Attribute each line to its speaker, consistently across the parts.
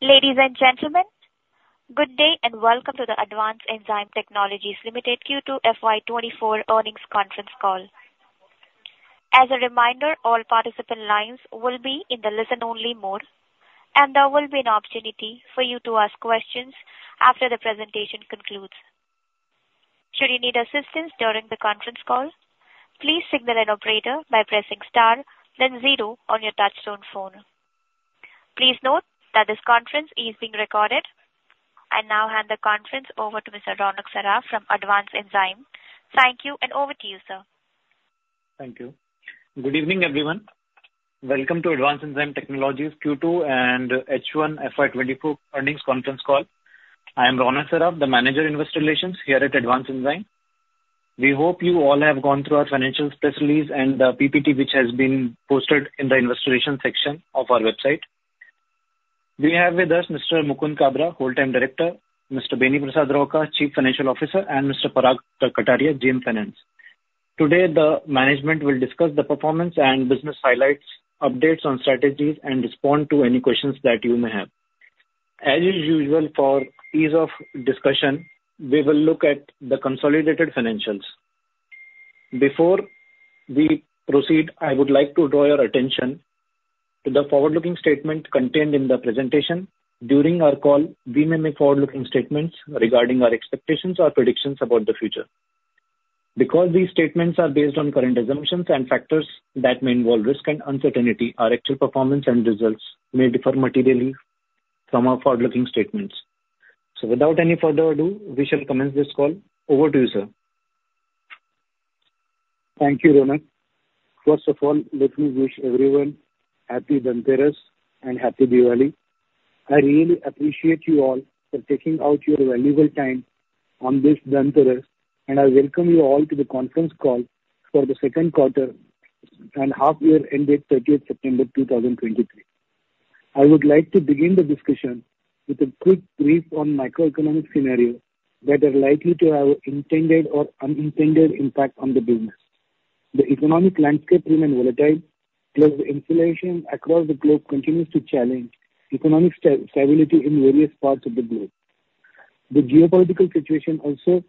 Speaker 1: Ladies and gentlemen, good day and Welcome to the Advanced Enzyme Technologies Limited Q2 FY 2024 Earnings Conference Call. As a reminder, all participant lines will be in the listen-only mode, and there will be an opportunity for you to ask questions after the presentation concludes. Should you need assistance during the conference call, please signal an operator by pressing star then zero on your touchtone phone. Please note that this conference is being recorded. I now hand the conference over to Mr. Ronak Saraf from Advanced Enzyme. Thank you, and over to you, sir.
Speaker 2: Thank you. Good evening, everyone. Welcome to Advanced Enzyme Technologies Q2 and H1 FY 2024 Earnings Conference Call. I am Ronak Saraf, the Manager, Investor Relations here at Advanced Enzyme. We hope you all have gone through our financial press release and the PPT, which has been posted in the investor relations section of our website. We have with us Mr. Mukund Kabra, Whole-time Director, Mr. Beni Prasad Rauka, Chief Financial Officer, and Mr. Parag Katariya, GM Finance. Today, the management will discuss the performance and business highlights, updates on strategies, and respond to any questions that you may have. As is usual for ease of discussion, we will look at the consolidated financials. Before we proceed, I would like to draw your attention to the forward-looking statement contained in the presentation. During our call, we may make forward-looking statements regarding our expectations or predictions about the future. Because these statements are based on current assumptions and factors that may involve risk and uncertainty, our actual performance and results may differ materially from our forward-looking statements. So without any further ado, we shall commence this call. Over to you, sir.
Speaker 3: Thank you, Ronak. First of all, let me wish everyone Happy Dhanteras and Happy Diwali! I really appreciate you all for taking out your valuable time on this Dhanteras, and I welcome you all to the conference call for the Q2 and half year ended 30th September 2023. I would like to begin the discussion with a quick brief on macroeconomic scenario that are likely to have intended or unintended impact on the business. The economic landscape remains volatile, plus the inflation across the globe continues to challenge economic stability in various parts of the globe. The geopolitical situation also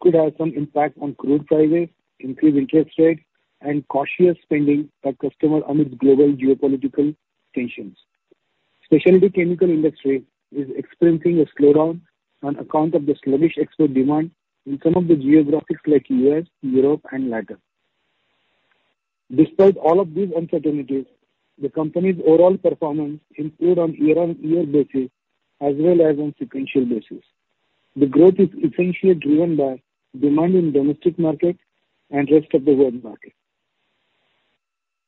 Speaker 3: could have some impact on crude prices, increased interest rates, and cautious spending by customer amidst global geopolitical tensions. Specialty chemical industry is experiencing a slowdown on account of the sluggish export demand in some of the geographies like US, Europe, and LATAM. Despite all of these uncertainties, the company's overall performance improved on year-on-year basis as well as on sequential basis. The growth is essentially driven by demand in domestic market and rest of the world market.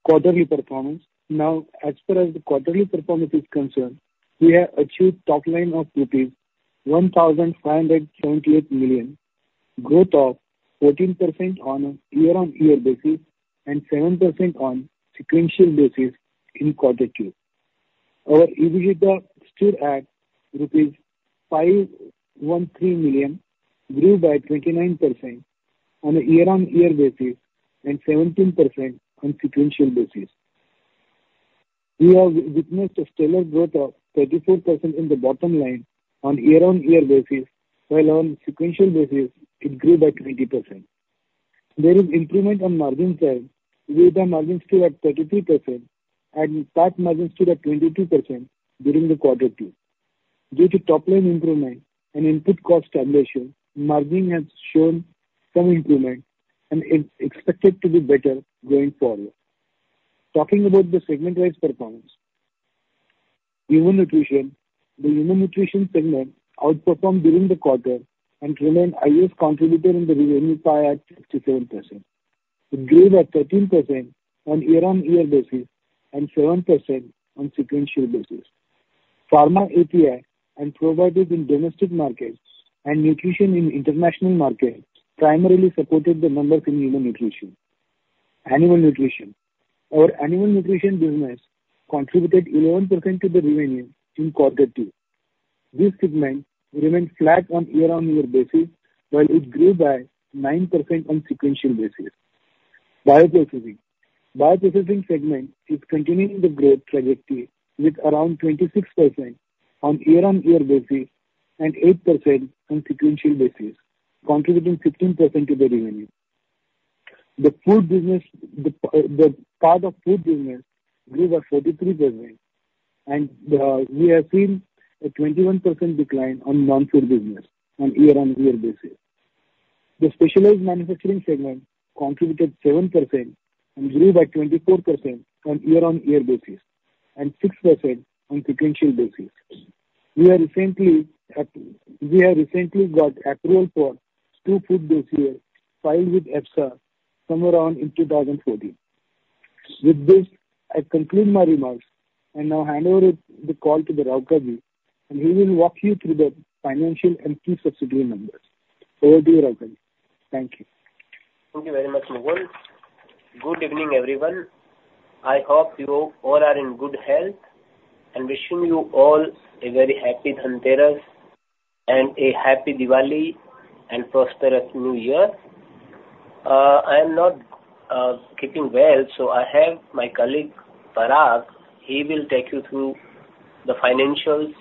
Speaker 3: Quarterly performance. Now, as far as the quarterly performance is concerned, we have achieved top line of rupees 1,578 million, growth of 14% on a year-on-year basis and 7% on sequential basis in Q2. Our EBITDA stood at rupees 513 million, grew by 29% on a year-on-year basis and 17% on sequential basis. We have witnessed a stellar growth of 34% in the bottom line on year-on-year basis, while on sequential basis, it grew by 20%. There is improvement on margin side, EBITDA margin stood at 33% and PAT margin stood at 22% during the Q2. Due to top-line improvement and input cost stabilization, margin has shown some improvement and is expected to be better going forward. Talking about the segment-wise performance. Human nutrition. The human nutrition segment outperformed during the quarter and remained highest contributor in the revenue pie at 67%. It grew by 13% on year-on-year basis and 7% on sequential basis. Pharma API and probiotics in domestic markets and nutrition in international markets primarily supported the numbers in human nutrition. Animal nutrition. Our animal nutrition business contributed 11% to the revenue in Q2. This segment remained flat on year-on-year basis, while it grew by 9% on sequential basis. Bioprocessing. Bioprocessing segment is continuing the growth trajectory with around 26% on year-on-year basis and 8% on sequential basis, contributing 15% to the revenue. The food business, the part of food business grew by 43%, and, we have seen a 21% decline on non-food business on year-over-year basis. The specialized manufacturing segment contributed 7% and grew by 24% on year-over-year basis and 6% on sequential basis. We have recently got approval for two food dossiers filed with EFSA somewhere around in 2014. With this, I conclude my remarks and now hand over the call to the Rauka ji, and he will walk you through the financial and key subsidiary numbers. Over to you, Rauka ji. Thank you.
Speaker 4: Thank you very much, Mukund. Good evening, everyone. I hope you all are in good health, and wishing you all a very Happy Dhanteras and a Happy Diwali and prosperous new year. I am not keeping well, so I have my colleague, Parag. He will take you through the financials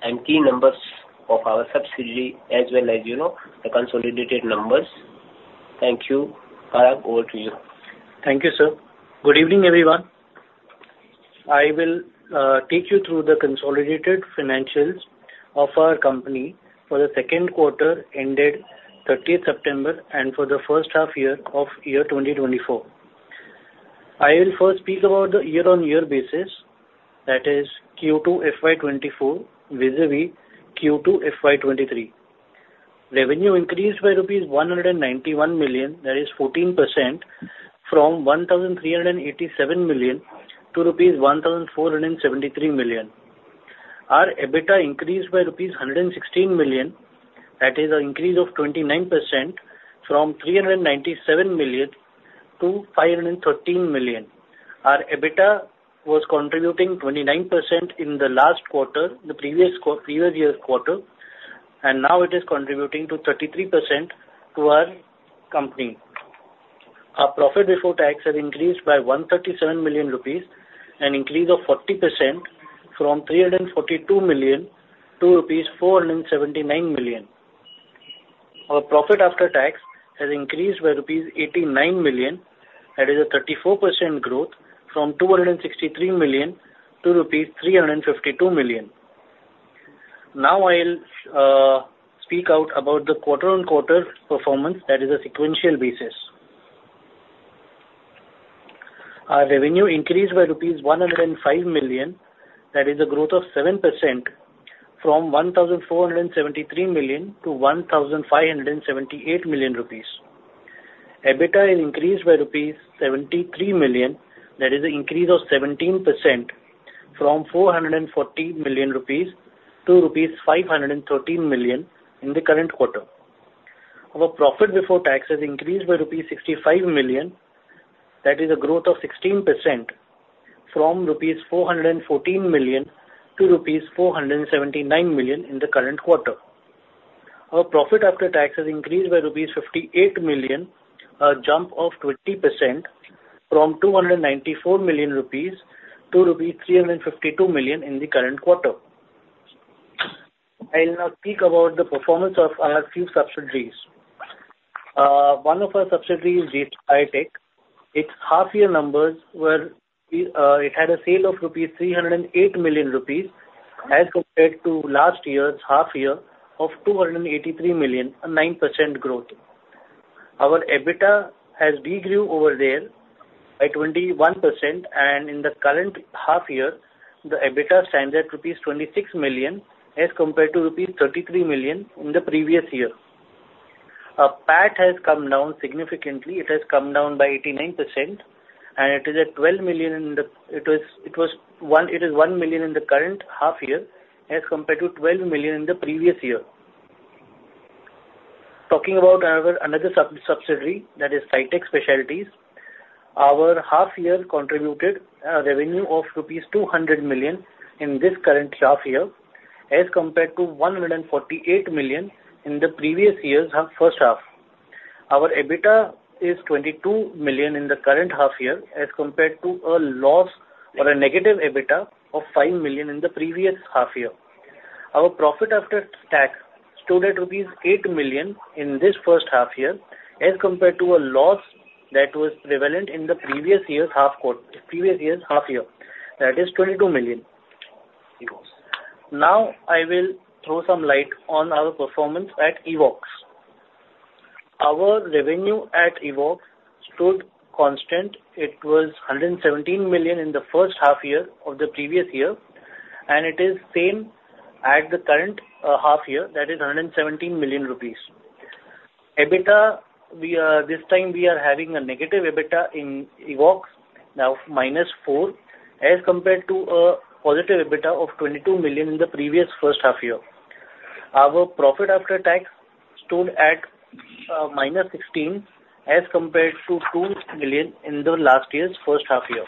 Speaker 4: and key numbers of our subsidiary, as well as you know, the consolidated numbers. Thank you. Parag, over to you.
Speaker 5: Thank you, sir. Good evening, everyone. I will take you through the consolidated financials of our company for the Q2 ended 30th of September and for the H1 year of 2024. I will first speak about the year-on-year basis, that is Q2 FY 2024 vs Q2 FY 2023. Revenue increased by rupees 191 million, that is 14% from 1,387 million to rupees 1,473 million. Our EBITDA increased by rupees 116 million, that is an increase of 29% from 397 million to 513 million. Our EBITDA was contributing 29% in the last quarter, the previous year quarter, and now it is contributing to 33% to our company. Our profit before tax has increased by 137 million rupees, an increase of 40% from 342 million to rupees 479 million. Our profit after tax has increased by rupees 89 million, that is a 34% growth from 263 million to rupees 352 million. Now I'll speak out about the quarter-on-quarter performance, that is a sequential basis. Our revenue increased by rupees 105 million, that is a growth of 7% from 1,473 million to 1,578 million rupees. EBITDA increased by 73 million rupees, that is an increase of 17% from 414 million rupees to rupees 513 million in the current quarter. Our profit before tax has increased by rupees 65 million, that is a growth of 16% from rupees 414 million to rupees 479 million in the current quarter. Our profit after tax has increased by rupees 58 million, a jump of 20% from 294 million rupees to rupees 352 million in the current quarter. I'll now speak about the performance of our few subsidiaries. One of our subsidiaries is Zitech. Its half year numbers were, it had a sale of 308 million rupees, as compared to last year's half year of 283 million, a 9% growth. Our EBITDA has degrew over there by 21%, and in the current half year, the EBITDA stands at rupees 26 million, as compared to rupees 33 million in the previous year. Our PAT has come down significantly. It has come down by 89%, and it is at 1 million in the current half year, as compared to 12 million in the previous year. Talking about our another subsidiary, that is Zitech. Our half year contributed a revenue of rupees 200 million in this current half year, as compared to 148 million in the previous year's half, H1. Our EBITDA is 22 million in the current half year, as compared to a loss or a negative EBITDA of 5 million in the previous half year. Our profit after tax stood at rupees 8 million in this H1 year, as compared to a loss that was prevalent in the previous year's half year, that is INR 22 million. Now, I will throw some light on our performance at Evox. Our revenue at Evox stood constant. It was 117 million in the H1 year of the previous year, and it is same at the current half year, that is 117 million rupees. EBITDA, this time we are having a negative EBITDA in Evox, now minus 4 million, as compared to a positive EBITDA of 22 million in the previous H1 year. Our profit after tax stood at minus 16 million, as compared to 2 million in the last year's H1 year.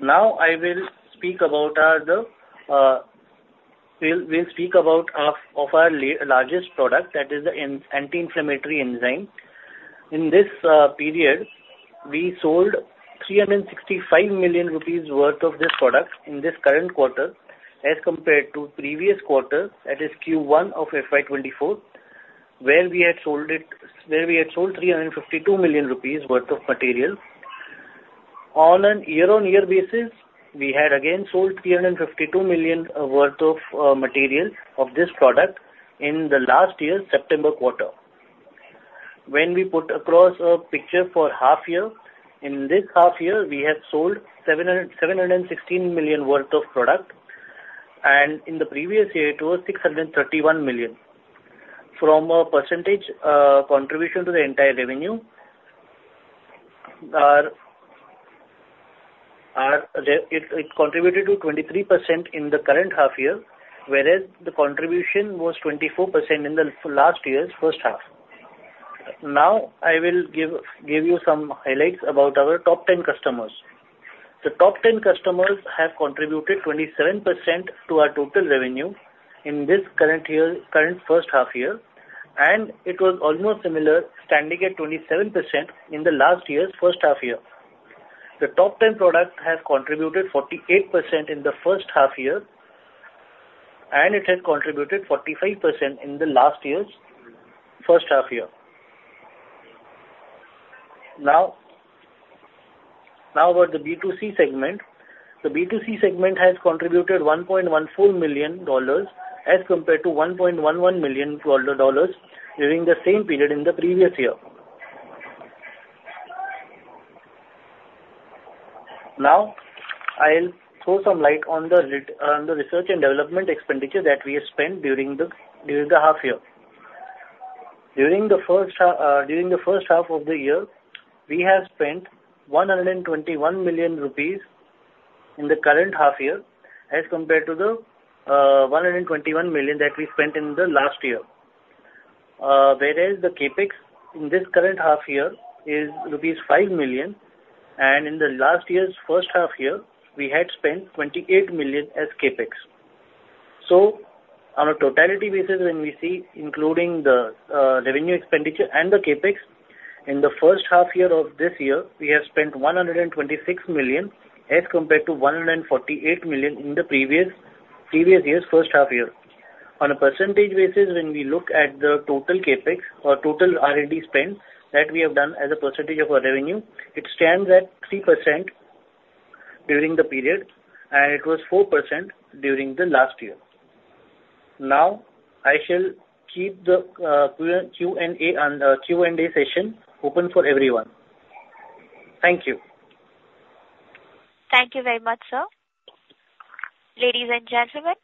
Speaker 5: Now, I will speak about our, the... We'll speak about our largest product, that is the anti-inflammatory enzyme. In this period, we sold 365 million rupees worth of this product in this current quarter, as compared to previous quarter, that is Q1 of FY 2024, where we had sold 352 million rupees worth of material. On a year-on-year basis, we had again sold 352 million worth of material of this product in the last year, September quarter. When we put across a picture for half year, in this half year, we have sold 716 million worth of product, and in the previous year, it was 631 million. From a percentage contribution to the entire revenue, our re... It contributed to 23% in the current half year, whereas the contribution was 24% in the last year's H1. Now, I will give you some highlights about our top ten customers... The top ten customers have contributed 27% to our total revenue in this current year, current H1 year, and it was almost similar, standing at 27% in the last year's H1 year. The top ten product has contributed 48% in the H1 year, and it has contributed 45% in the last year's H1 year. Now, about the B2C segment. The B2C segment has contributed $1.14 million as compared to $1.11 million during the same period in the previous year. Now, I'll throw some light on the research and development expenditure that we have spent during the half year. During the H1 of the year, we have spent 121 million rupees in the current half year, as compared to the one hundred and twenty-one million that we spent in the last year. Whereas the CapEx in this current half year is rupees 5 million, and in the last year's H1 year, we had spent 28 million as CapEx. So on a totality basis, when we see including the revenue expenditure and the CapEx, in the H1 year of this year, we have spent 126 million, as compared to 148 million in the previous year's H1 year. On a percentage basis, when we look at the total CapEx or total R&D spend that we have done as a percentage of our revenue, it stands at 3% during the period, and it was 4% during the last year. Now, I shall keep the Q&A session open for everyone. Thank you.
Speaker 1: Thank you very much, sir. Ladies and gentlemen,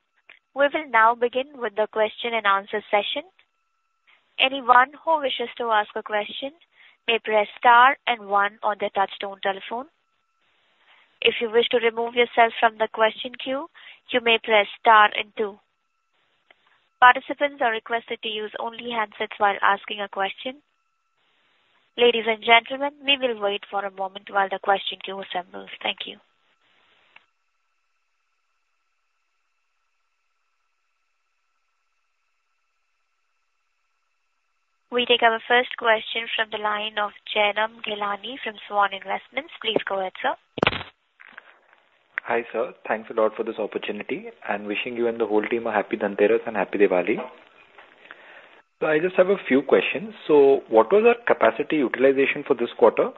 Speaker 1: we will now begin with the Q&A session. Anyone who wishes to ask a question may press star and one on their touchtone telephone. If you wish to remove yourself from the question queue, you may press star and two. Participants are requested to use only handsets while asking a question. Ladies and gentlemen, we will wait for a moment while the question queue assembles. Thank you. We take our first question from the line of Jayram Gilani from Swan Investments. Please go ahead, sir.
Speaker 6: Hi, sir. Thanks a lot for this opportunity, and wishing you and the whole team a Happy Dhanteras and Happy Diwali! So I just have a few questions. So what was our capacity utilization for this quarter?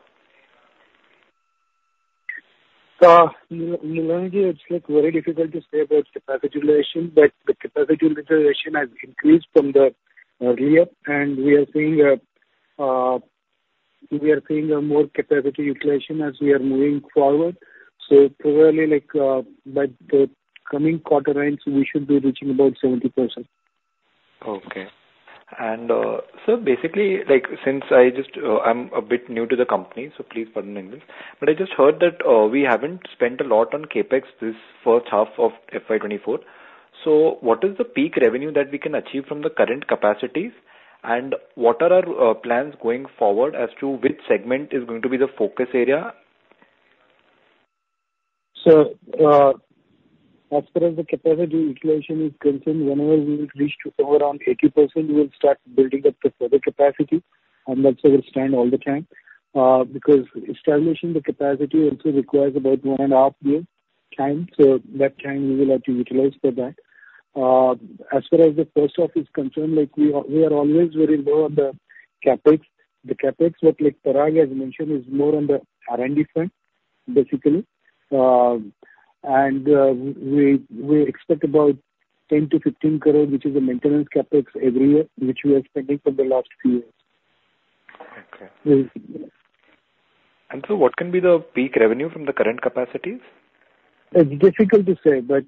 Speaker 3: So, Gilani, it's, like, very difficult to say about capacity utilization, but the capacity utilization has increased from the year, and we are seeing a, we are seeing a more capacity utilization as we are moving forward. So probably like, by the coming quarter ends, we should be reaching about 70%.
Speaker 6: Okay, sir, basically, like, since I just, I'm a bit new to the company, so please pardon me on this, but I just heard that we haven't spent a lot on CapEx this H1 of FY 2024. So what is the peak revenue that we can achieve from the current capacities? And what are our plans going forward as to which segment is going to be the focus area?
Speaker 3: So, as far as the capacity utilization is concerned, whenever we will reach to around 80%, we will start building up the further capacity, and that's where we stand all the time. Because establishing the capacity also requires about 1.5 years time, so that time we will have to utilize for that. As far as the H1 is concerned, like, we are, we are always very low on the CapEx. The CapEx, what, like Parag has mentioned, is more on the R&D front, basically. And, we expect about 10-15 crore, which is a maintenance CapEx every year, which we are spending for the last few years.
Speaker 6: Okay.
Speaker 3: Yes.
Speaker 6: What can be the peak revenue from the current capacities?
Speaker 3: It's difficult to say, but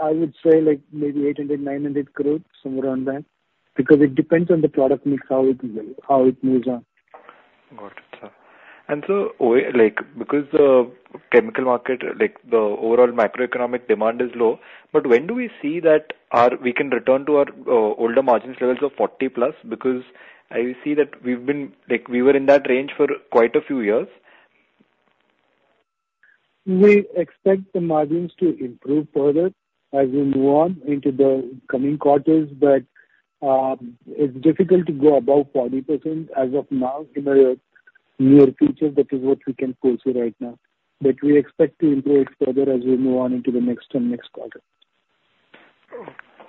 Speaker 3: I would say like maybe 800 crore-900 crore, somewhere around there, because it depends on the product mix, how it moves on.
Speaker 6: Got it, sir. So like, because the chemical market, like, the overall macroeconomic demand is low, but when do we see that our, we can return to our older margins levels of 40+? Because I see that we've been, like, we were in that range for quite a few years.
Speaker 3: We expect the margins to improve further as we move on into the coming quarters, but it's difficult to go above 40% as of now, in the near future. That is what we can foresee right now, but we expect to improve it further as we move on into the next and next quarter.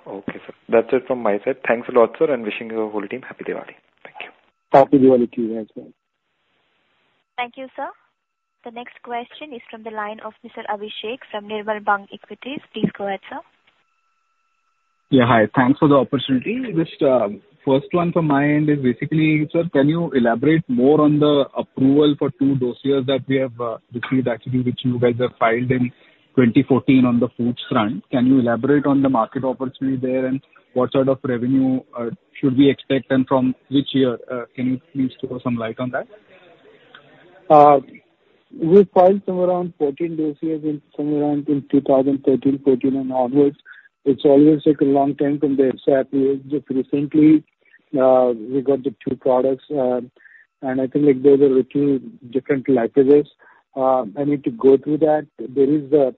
Speaker 6: Okay, sir. That's it from my side. Thanks a lot, sir, and wishing you a whole team Happy Diwali. Thank you.
Speaker 3: Happy Diwali to you as well.
Speaker 1: Thank you, sir. The next question is from the line of Mr. Abhishek Das from Nirmal Bang Equities. Please go ahead, sir.
Speaker 7: Yeah, hi. Thanks for the opportunity. Just, first one from my end is basically, sir, can you elaborate more on the approval for two dossiers that we have received, actually, which you guys have filed in 2014 on the foods front? Can you elaborate on the market opportunity there, and what sort of revenue should we expect, and from which year can you please throw some light on that?
Speaker 3: We filed somewhere around 14 days here in somewhere around in 2013, 14, and onwards. It's always taken a long time from the EFSA. We just recently, we got the 2 products, and I think, like, there is a little different linkages. I need to go through that. There is a,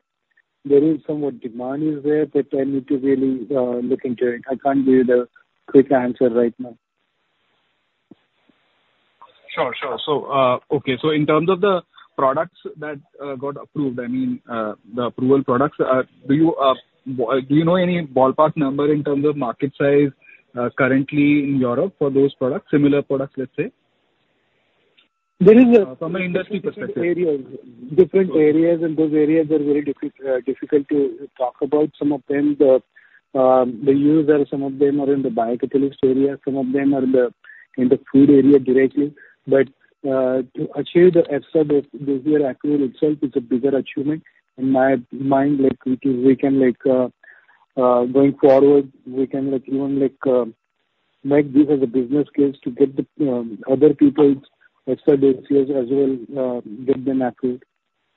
Speaker 3: there is somewhat demand is there, but I need to really, look into it. I can't give you the quick answer right now.
Speaker 7: Sure. So, okay, so in terms of the products that got approved, I mean, the approval products, do you, do you know any ballpark number in terms of market size, currently in Europe for those products, similar products, let's say?
Speaker 3: There is a-
Speaker 7: From an industry perspective.
Speaker 3: -different areas, different areas, and those areas are very difficult to talk about. Some of them, the use, some of them are in the biocatalyst area, some of them are in the food area directly. But to achieve the EFSA that they were approved itself is a bigger achievement. In my mind, like, we can, we can like, going forward, we can like, even like, make this as a business case to get the other people's extra data as well, get them approved.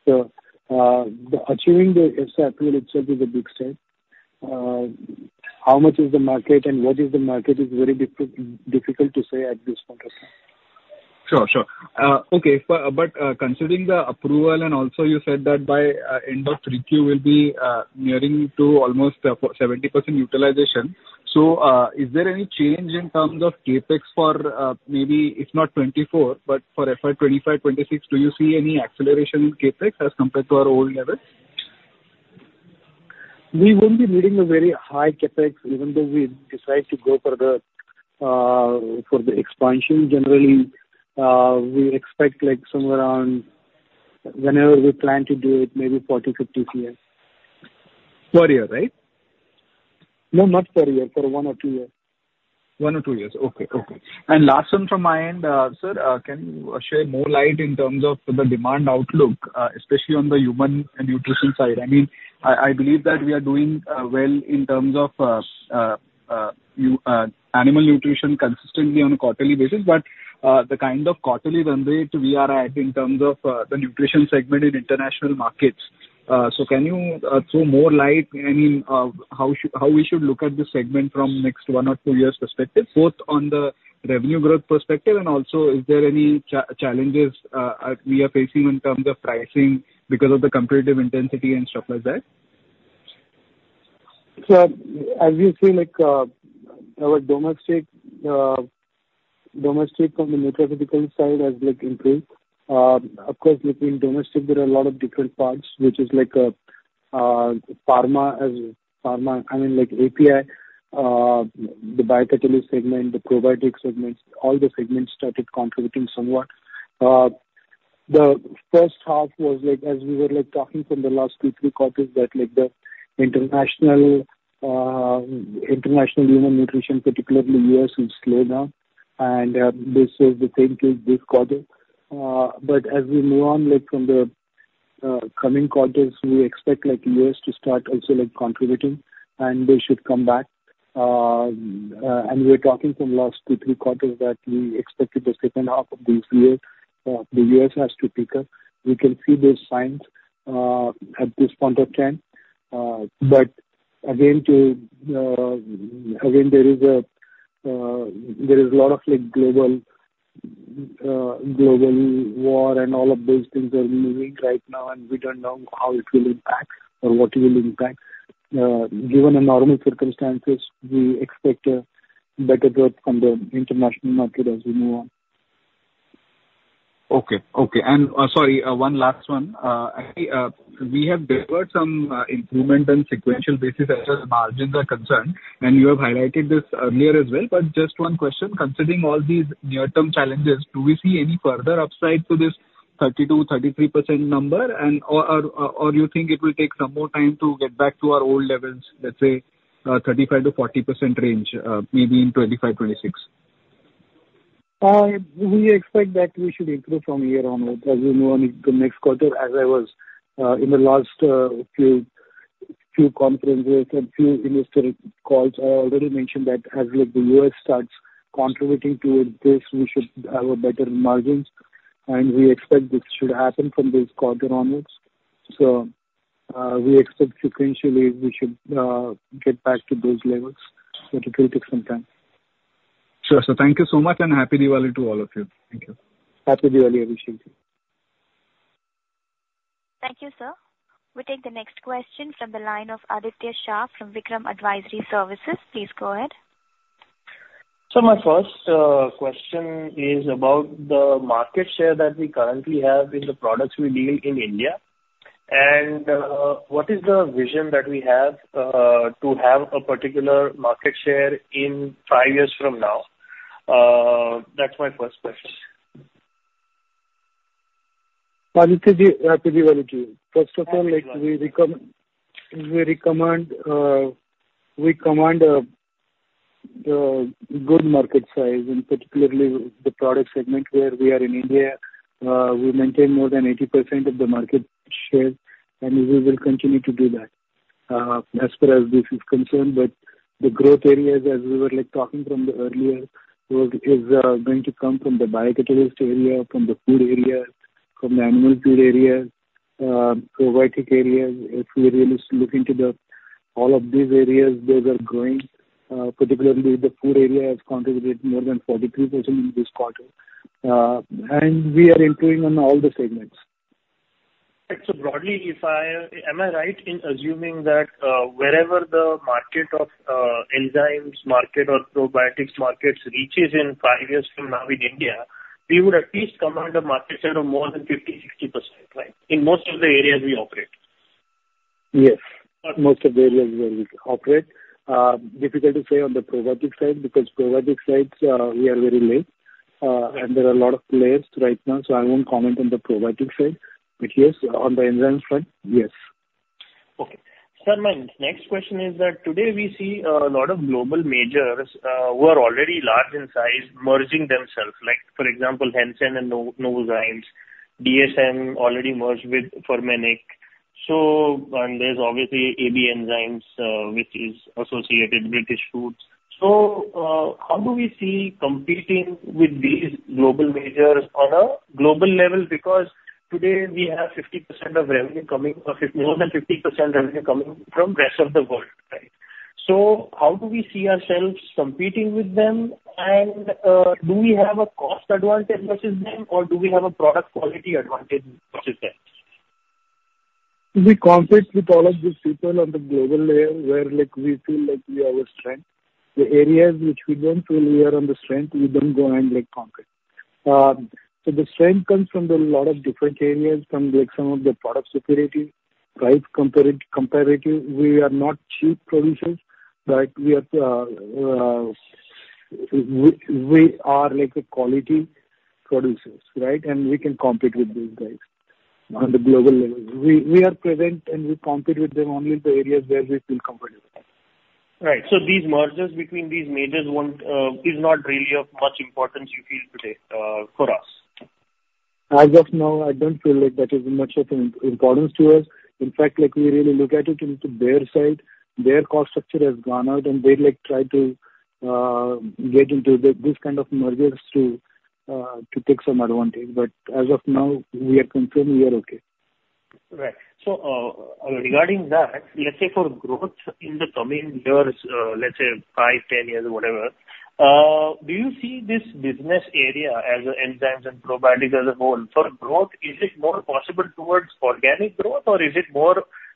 Speaker 3: So, the achieving the EFSA approval itself is a big step. How much is the market and what is the market is very difficult to say at this point of time.
Speaker 7: Sure. Okay, but considering the approval and also you said that by end of Q3, we'll be nearing to almost 70% utilization. So, is there any change in terms of CapEx for maybe if not 2024, but for FY 2025, 2026, do you see any acceleration in CapEx as compared to our old levels?
Speaker 3: We won't be needing a very high CapEx, even though we decide to go for the, for the expansion. Generally, we expect, like, somewhere around whenever we plan to do it, maybe 40, 50 years.
Speaker 7: Per year, right?
Speaker 3: No, not per year. For one or two years.
Speaker 7: One or two years. Okay and last one from my end, sir, can you share more light in terms of the demand outlook, especially on the human nutrition side? I mean, I believe that we are doing well in terms of animal nutrition consistently on a quarterly basis, but the kind of quarterly run rate we are at in terms of the nutrition segment in international markets. So can you throw more light, I mean, how we should look at this segment from next one or two years perspective, both on the revenue growth perspective, and also is there any challenges we are facing in terms of pricing because of the competitive intensity and stuff like that?
Speaker 3: So as you see, like, our domestic, domestic on the nutraceutical side has, like, improved. Of course, within domestic, there are a lot of different parts, which is like, pharma, I mean, like, API, the biocatalyst segment, the probiotic segments, all the segments started contributing somewhat. The H1 was like, as we were, like, talking from the last two, three quarters, that, like, the international, international human nutrition, particularly U.S., will slow down. And, this is the same case this quarter. But as we move on, like, from the coming quarters, we expect, like, U.S. to start also, like, contributing, and they should come back. And we're talking from last two, three quarters that we expected the H2 of this year, the U.S. has to pick up. We can see those signs at this point of time. But again, again, there is a there is a lot of, like, global global war, and all of those things are moving right now, and we don't know how it will impact or what it will impact. Given the normal circumstances, we expect a better growth from the international market as we move on.
Speaker 7: Okay. And, sorry, one last one. I, we have delivered some improvement in sequential basis as far as margins are concerned, and you have highlighted this earlier as well. But just one question, considering all these near-term challenges, do we see any further upside to this 32%-33% number, and or, or, or you think it will take some more time to get back to our old levels, let's say, 35%-40% range, maybe in 2025, 2026?
Speaker 3: We expect that we should improve from here onwards as we move on to the next quarter. As I was in the last few conferences and few investor calls, I already mentioned that as like the U.S. starts contributing towards this, we should have better margins, and we expect this should happen from this quarter onwards. So, we expect sequentially, we should get back to those levels, but it will take some time.
Speaker 7: Sure, sir. Thank you so much, and Happy Diwali to all of you. Thank you.
Speaker 3: Happy Diwali, Abhishek.
Speaker 1: Thank you, sir. We take the next question from the line of Aditya Shah from Vikram Advisory Services. Please go ahead.
Speaker 8: So my first question is about the market share that we currently have in the products we deal in India. And what is the vision that we have to have a particular market share in five years from now? That's my first question.
Speaker 3: Happy Diwali to you. First of all, like, we command good market size, and particularly the product segment where we are in India. We maintain more than 80% of the market share, and we will continue to do that, as far as this is concerned, but the growth areas, as we were like talking from the earlier, is going to come from the biocatalyst area, from the food area, from the animal food area, probiotic areas. If we really look into the all of these areas, those are growing, particularly the food area has contributed more than 43% in this quarter. And we are entering on all the segments.
Speaker 8: So broadly, if am I right in assuming that, wherever the market of, enzymes market or probiotics markets reaches in 5 years from now in India, we would at least command a market share of more than 50%-60%, right? In most of the areas we operate.
Speaker 3: Yes, most of the areas where we operate. Difficult to say on the probiotic side, because probiotic sides, we are very late, and there are a lot of players right now, so I won't comment on the probiotic side. But yes, on the enzymes front, yes.
Speaker 8: Okay. Sir, my next question is that today we see a lot of global majors who are already large in size merging themselves, like for example, Hansen and Novozymes, DSM already merged with Firmenich. So, and there's obviously AB Enzymes, which is Associated British Foods. So, how do we see competing with these global majors on a global level? Because today we have 50% of revenue coming, or 50, more than 50% revenue coming from rest of the world, right? So how do we see ourselves competing with them, and do we have a cost advantage versus them, or do we have a product quality advantage versus them?
Speaker 3: We compete with all of these people on the global layer where, like, we feel like we have a strength. The areas which we don't feel we are on the strength, we don't go and, like, conquer. So the strength comes from a lot of different areas, from like some of the product security, price comparative. We are not cheap producers, but we are like a quality producers, right? And we can compete with these guys on the global level. We are present, and we compete with them only in the areas where we feel comfortable.
Speaker 8: Right. So these mergers between these majors won't, is not really of much importance you feel today, for us?
Speaker 3: As of now, I don't feel like that is much of importance to us. In fact, like, we really look at it into their side. Their cost structure has gone out, and they'd, like, try to get into these kind of mergers to take some advantage. But as of now, we are confirmed we are okay.
Speaker 8: Right. So, regarding that, let's say for growth in the coming years, let's say 5, 10 years, whatever, do you see this business area as a enzymes and probiotics as a whole for growth, is it more possible towards organic growth or is it more,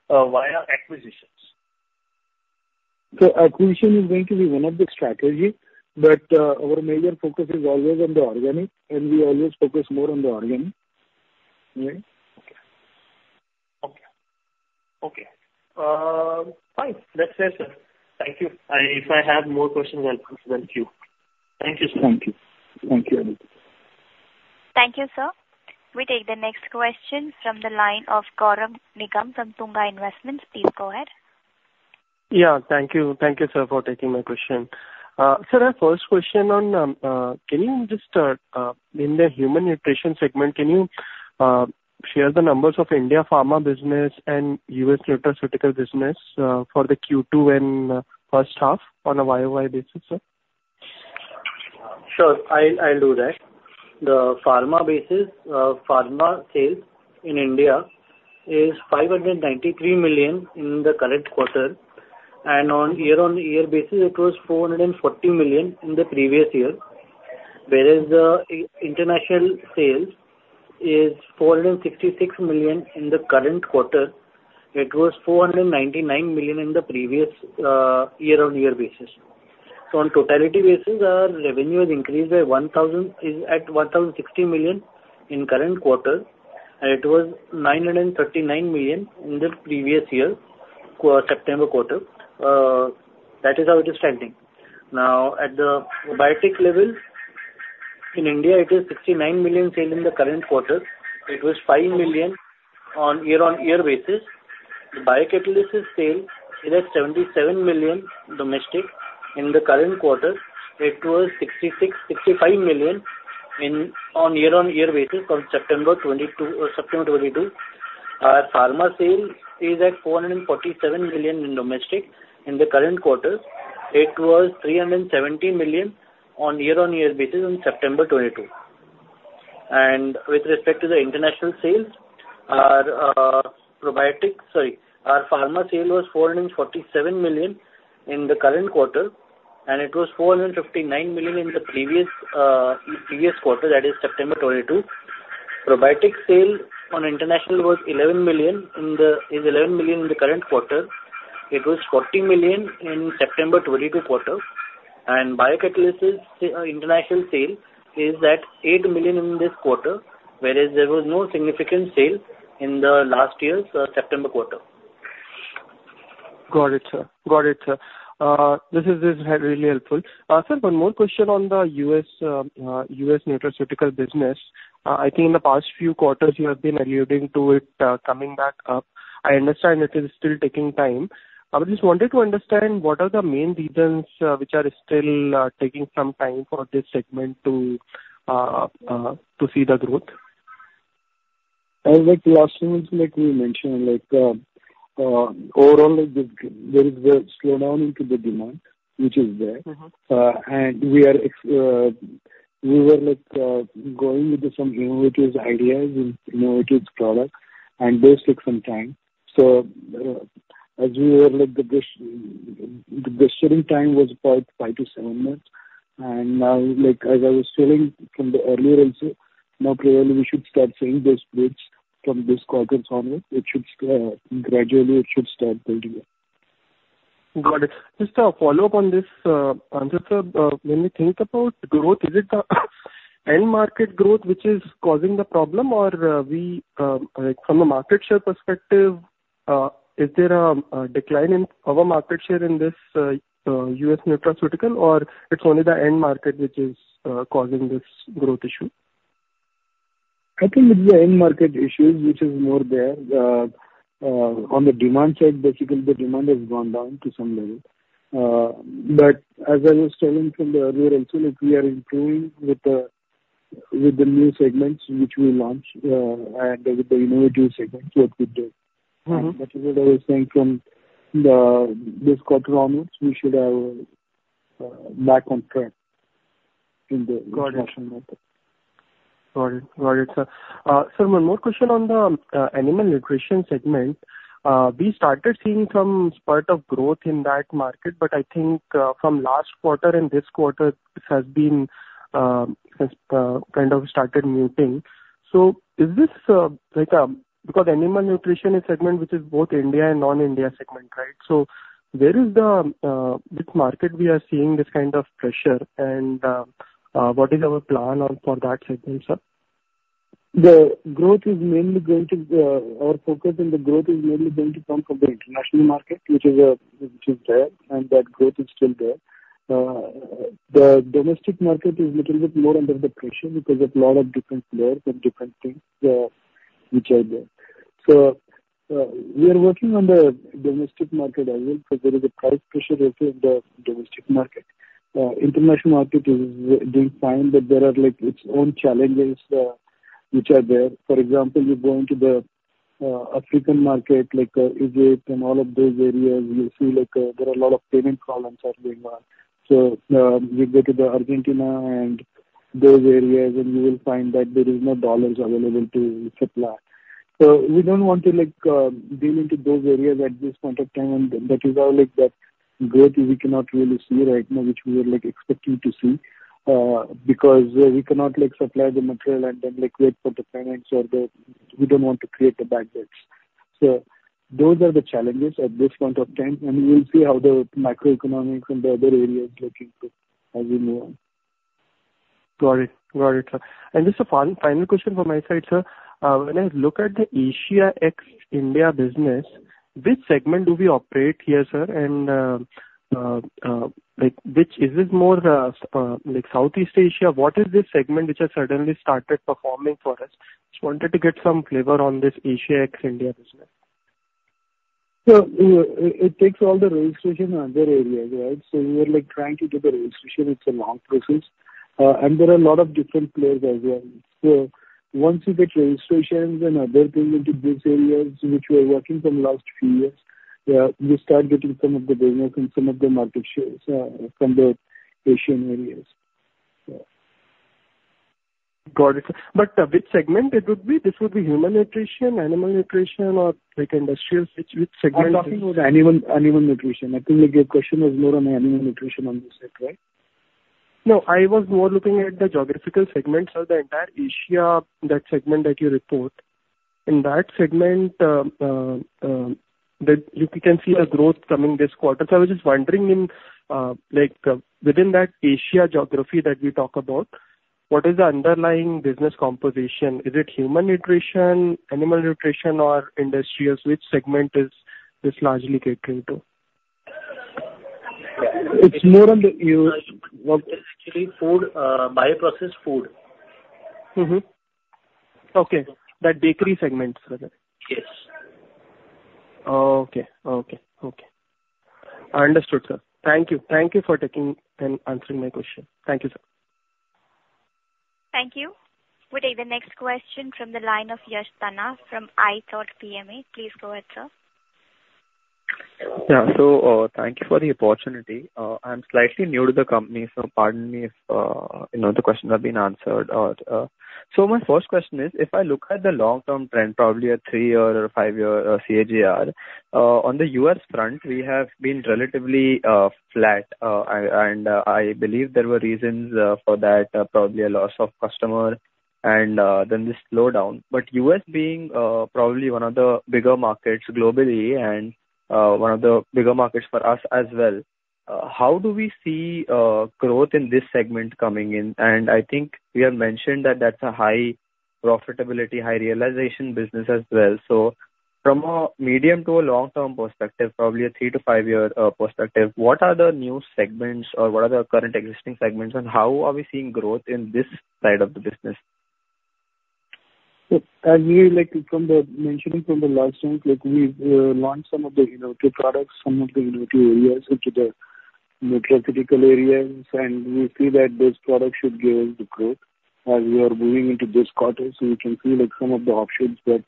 Speaker 8: via acquisitions?
Speaker 3: So acquisition is going to be one of the strategy, but our major focus is always on the organic, and we always focus more on the organic. Right?
Speaker 8: Okay. Fine. That's it, sir. Thank you. If I have more questions, I'll come to thank you. Thank you, sir.
Speaker 3: Thank you. Thank you.
Speaker 1: Thank you, sir. We take the next question from the line of Gaurav Nigam from Tunga Investments. Please go ahead.
Speaker 9: Yeah, thank you. Thank you, sir, for taking my question. Sir, our first question on, can you just, in the human nutrition segment, can you, share the numbers of India pharma business and U.S. nutraceutical business, for the Q2 and, H1 on a YOY basis, sir?
Speaker 3: Sure, I'll do that. The pharma basis, pharma sales in India is 593 million in the current quarter, and on year-on-year basis, it was 440 million in the previous year. Whereas the international sales is 466 million in the current quarter. It was 499 million in the previous, year-on-year basis. So on totality basis, our revenue has increased by 1,000, is at 1,060 million in current quarter, and it was 939 million in the previous year, September quarter. That is how it is standing. Now, at the biotech level, in India it is 69 million sale in the current quarter. It was 5 million on year-on-year basis. The biocatalysis sale is at 77 million domestic in the current quarter. It was 66.65 million on year-on-year basis from September 2022, September 2022. Our pharma sale is at 447 million in domestic in the current quarter. It was 370 million on year-on-year basis on September 2022. And with respect to the international sales, our, probiotic, sorry, our pharma sale was 447 million in the current quarter, and it was 459 million in the previous, previous quarter, that is September 2022. Probiotic sale on international was 11 million in the... is 11 million in the current quarter. It was 14 million in September 2022 quarter. And biocatalysis, international sale is at 8 million in this quarter, whereas there was no significant sale in the last year's, September quarter.
Speaker 9: Got it, sir. This is, this is really helpful. Sir, one more question on the U.S., U.S. nutraceutical business. I think in the past few quarters you have been alluding to it, coming back up. I understand it is still taking time. I was just wanted to understand, what are the main reasons, which are still, taking some time for this segment to, to see the growth?
Speaker 3: Like last time, like we mentioned, like, overall, like the, there is a slowdown into the demand which is there.
Speaker 9: Mm-hmm.
Speaker 3: And we were like going into some innovative ideas and innovative products, and those take some time. So, as we were like, the best sharing time was about 5-7 months. And now, like as I was telling from the earlier also, now clearly we should start seeing those fruits from this quarter onwards. It should gradually start building up.
Speaker 9: Got it. Just a follow-up on this answer, sir. When we think about growth, is it the end market growth which is causing the problem? Or, we, like from a market share perspective, is there a decline in our market share in this U.S. nutraceutical, or it's only the end market which is causing this growth issue?
Speaker 3: I think it's the end market issues which is more there. On the demand side, basically the demand has gone down to some level. But as I was telling from the earlier also, like, we are improving with the, with the new segments which we launched, and with the innovative segments what we did.
Speaker 9: Mm-hmm.
Speaker 3: That is what I was saying, from this quarter onwards, we should have back on track in the international market.
Speaker 9: Got it, sir. Sir, one more question on the animal nutrition segment. We started seeing some spurt of growth in that market, but I think from last quarter and this quarter, it has been has kind of started muting. So is this like because animal nutrition is segment which is both India and non-India segment, right? So where is the which market we are seeing this kind of pressure, and what is our plan on for that segment, sir?
Speaker 3: The growth is mainly going to our focus and the growth is mainly going to come from the international market, which is there, and that growth is still there. The domestic market is little bit more under the pressure because of lot of different players and different things, which are there. So, we are working on the domestic market as well, because there is a price pressure also in the domestic market. International market is, we find that there are, like, its own challenges, which are there. For example, you go into the African market like Egypt and all of those areas, you see, like, there are a lot of payment problems are going on. So, we go to the Argentina and those areas, and you will find that there is no dollars available to supply. So we don't want to, like, deal into those areas at this point of time. And that is our, like, that growth we cannot really see right now, which we were, like, expecting to see, because we cannot, like, supply the material and then, like, wait for the payments or the... We don't want to create a bad debts. So those are the challenges at this point of time, and we'll see how the macroeconomics and the other areas looking too, as we move on.
Speaker 9: Got it, sir. Just a final question from my side, sir. When I look at the Asia ex India business, which segment do we operate here, sir, and like, which is it more like Southeast Asia? What is this segment which has suddenly started performing for us? Just wanted to get some flavor on this Asia ex India business.
Speaker 3: So it takes all the registration in other areas, right? So we are, like, trying to get the registration. It's a long process. And there are a lot of different players as well. So once you get registrations and other things into these areas, which we are working from last few years, you start getting some of the business and some of the market shares from the Asian areas. Yeah.
Speaker 9: Got it. But, which segment it would be? This would be human nutrition, animal nutrition or, like, industrial? Which segment-
Speaker 3: I'm talking about animal, animal nutrition. I think your question was more on animal nutrition on this side, right?
Speaker 9: No, I was more looking at the geographical segments of the entire Asia, that segment that you report. In that segment, that you can see a growth coming this quarter. So I was just wondering in, like, within that Asia geography that we talk about, what is the underlying business composition? Is it human nutrition, animal nutrition or industrials? Which segment is this largely catering to?
Speaker 3: It's more on the use.
Speaker 9: Actually, food, bioprocessed food.
Speaker 3: Mm-hmm.
Speaker 9: Okay. That bakery segment, sir.
Speaker 3: Yes.
Speaker 9: Okay. Understood, sir. Thank you. Thank you for taking and answering my question. Thank you, sir.
Speaker 1: Thank you. We take the next question from the line of Yash Tanna from IIFL PMA. Please go ahead, sir.
Speaker 10: Yeah. So, thank you for the opportunity. I'm slightly new to the company, so pardon me if, you know, the questions have been answered. So my first question is: If I look at the long-term trend, probably a three-year or five-year CAGR, on the U.S. front, we have been relatively flat. And I believe there were reasons for that, probably a loss of customer and then this slowdown. But the U.S. being probably one of the bigger markets globally and one of the bigger markets for us as well, how do we see growth in this segment coming in? And I think we have mentioned that that's a high profitability, high realization business as well. From a medium- to long-term perspective, probably a 3-5-year perspective, what are the new segments or what are the current existing segments, and how are we seeing growth in this side of the business?
Speaker 3: So as we, like, from the mentioning from the last time, like, we launched some of the innovative products, some of the innovative areas into the nutraceutical areas, and we see that those products should give us the growth as we are moving into this quarter. So we can see like some of the options, but,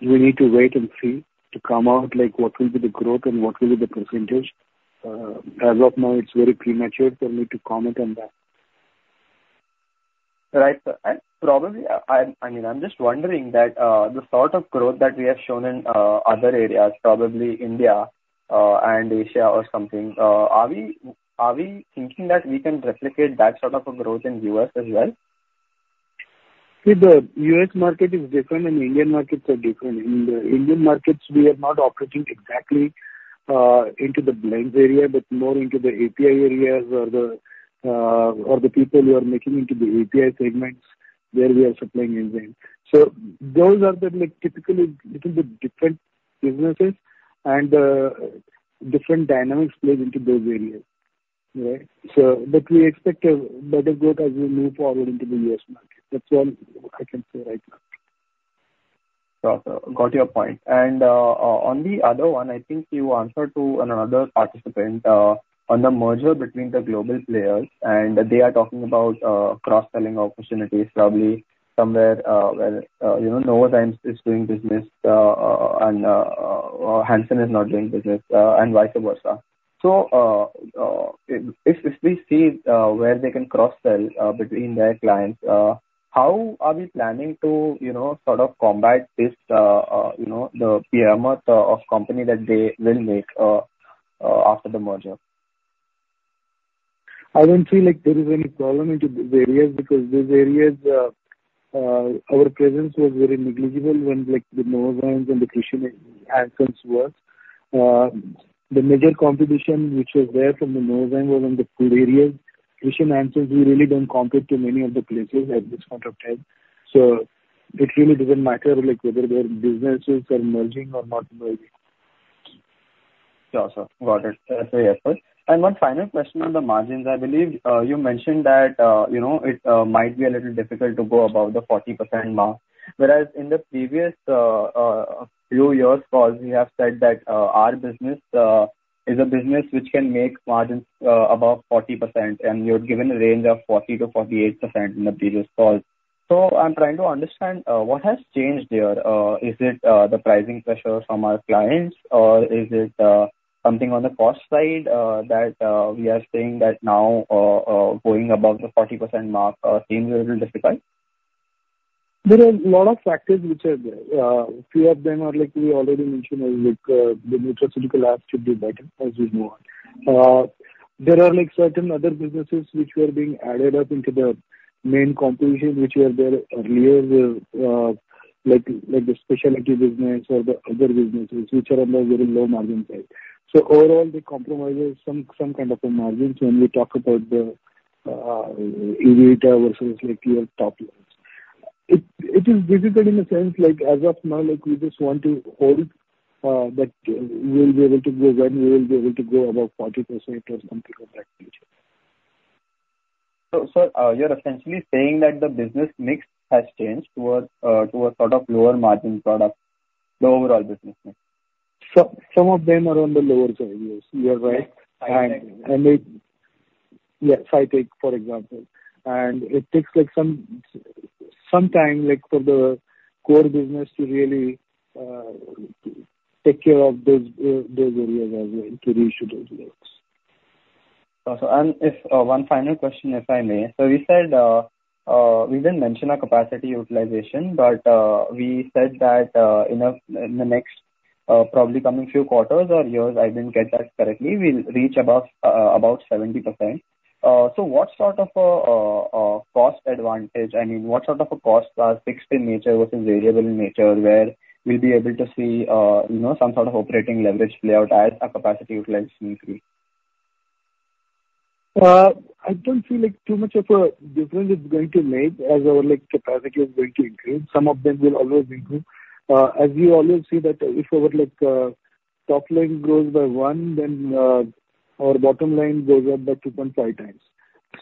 Speaker 3: we need to wait and see to come out, like what will be the growth and what will be the percentage. As of now, it's very premature for me to comment on that.
Speaker 10: Right. And probably, I mean, I'm just wondering that the sort of growth that we have shown in other areas, probably India, and Asia or something, are we thinking that we can replicate that sort of a growth in U.S. as well?
Speaker 3: See, the U.S. market is different and Indian markets are different. In the Indian markets, we are not operating exactly into the blends area, but more into the API areas or the or the people who are making into the API segments, where we are supplying enzyme. So those are the like, typically, little bit different businesses and different dynamics play into those areas. Right? So, but we expect a better growth as we move forward into the U.S. market. That's all I can say right now.
Speaker 10: Got your point. And, on the other one, I think you answered to another participant, on the merger between the global players, and they are talking about, cross-selling opportunities, probably somewhere, where, you know, Novozymes is doing business, and, Hansen is not doing business, and vice versa. So, if, if we see, where they can cross-sell, between their clients, how are we planning to, you know, sort of combat this, you know, the pyramid of company that they will make, after the merger?
Speaker 3: I don't feel like there is any problem into these areas, because these areas, our presence was very negligible when like the Novozymes and the Christian Hansen were. The major competition which was there from the Novozymes was in the food areas. Christian Hansen, we really don't compete to many of the places at this point of time. So it really doesn't matter, like whether their businesses are merging or not merging.
Speaker 10: Sure, sir. Got it. Thank you for your effort. And one final question on the margins. I believe you mentioned that, you know, it might be a little difficult to go above the 40% mark, whereas in the previous few years' calls, we have said that our business is a business which can make margins above 40%, and you had given a range of 40%-48% in the previous calls. So I'm trying to understand what has changed there. Is it the pricing pressure from our clients, or is it something on the cost side that we are saying that now going above the 40% mark seems a little difficult?
Speaker 3: There are a lot of factors which are there. A few of them are like we already mentioned, like, the nutraceutical apps should be better as we move on. There are, like, certain other businesses which were being added up into the main competition, which were there earlier, like, like the specialty business or the other businesses which are on the very low margin side. So overall, the compromise is some, some kind of a margins when we talk about the, EBITDA versus like your top lines. It, it is difficult in the sense like, as of now, like, we just want to hold, but we'll be able to go when we will be able to go above 40% or something like that in the future.
Speaker 10: So, sir, you're essentially saying that the business mix has changed towards, towards sort of lower margin products, the overall business mix?
Speaker 3: Some of them are on the lower side, yes. You are right.
Speaker 10: I think.
Speaker 3: Yes, I take, for example, and it takes like some time, like, for the core business to really take care of those areas as well, to reach those goals.
Speaker 10: So, if one final question, if I may. So we said we didn't mention our capacity utilization, but we said that in the next probably coming few quarters or years, I didn't get that correctly, we'll reach about 70%. So what sort of cost advantage, I mean, what sort of a cost are fixed in nature versus variable in nature, where we'll be able to see, you know, some sort of operating leverage play out as our capacity utilization increase?
Speaker 3: I don't feel like too much of a difference is going to make as our, like, capacity is going to increase. Some of them will always improve. As you always see that if our, like, top line grows by one, then our bottom line goes up by 2.5 times.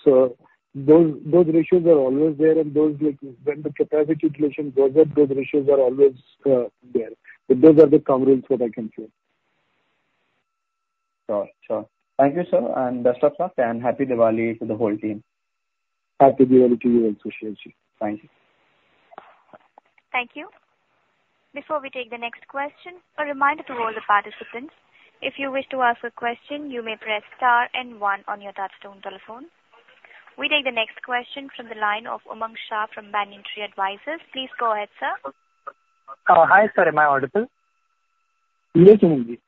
Speaker 3: So those, those ratios are always there, and those, like, when the capacity utilization goes up, those ratios are always there. So those are the coverage what I can share.
Speaker 10: Sure. Thank you, sir, and best of luck, and happy Diwali to the whole team.
Speaker 3: Happy Diwali to you as well, Yash Tanna. Thank you.
Speaker 1: Thank you. Before we take the next question, a reminder to all the participants. If you wish to ask a question, you may press star and 1 on your touchtone telephone. We take the next question from the line of Umang Shah from Banyan Tree Advisors. Please go ahead, sir.
Speaker 11: Hi, sir. Am I audible?
Speaker 3: Yes, you may be.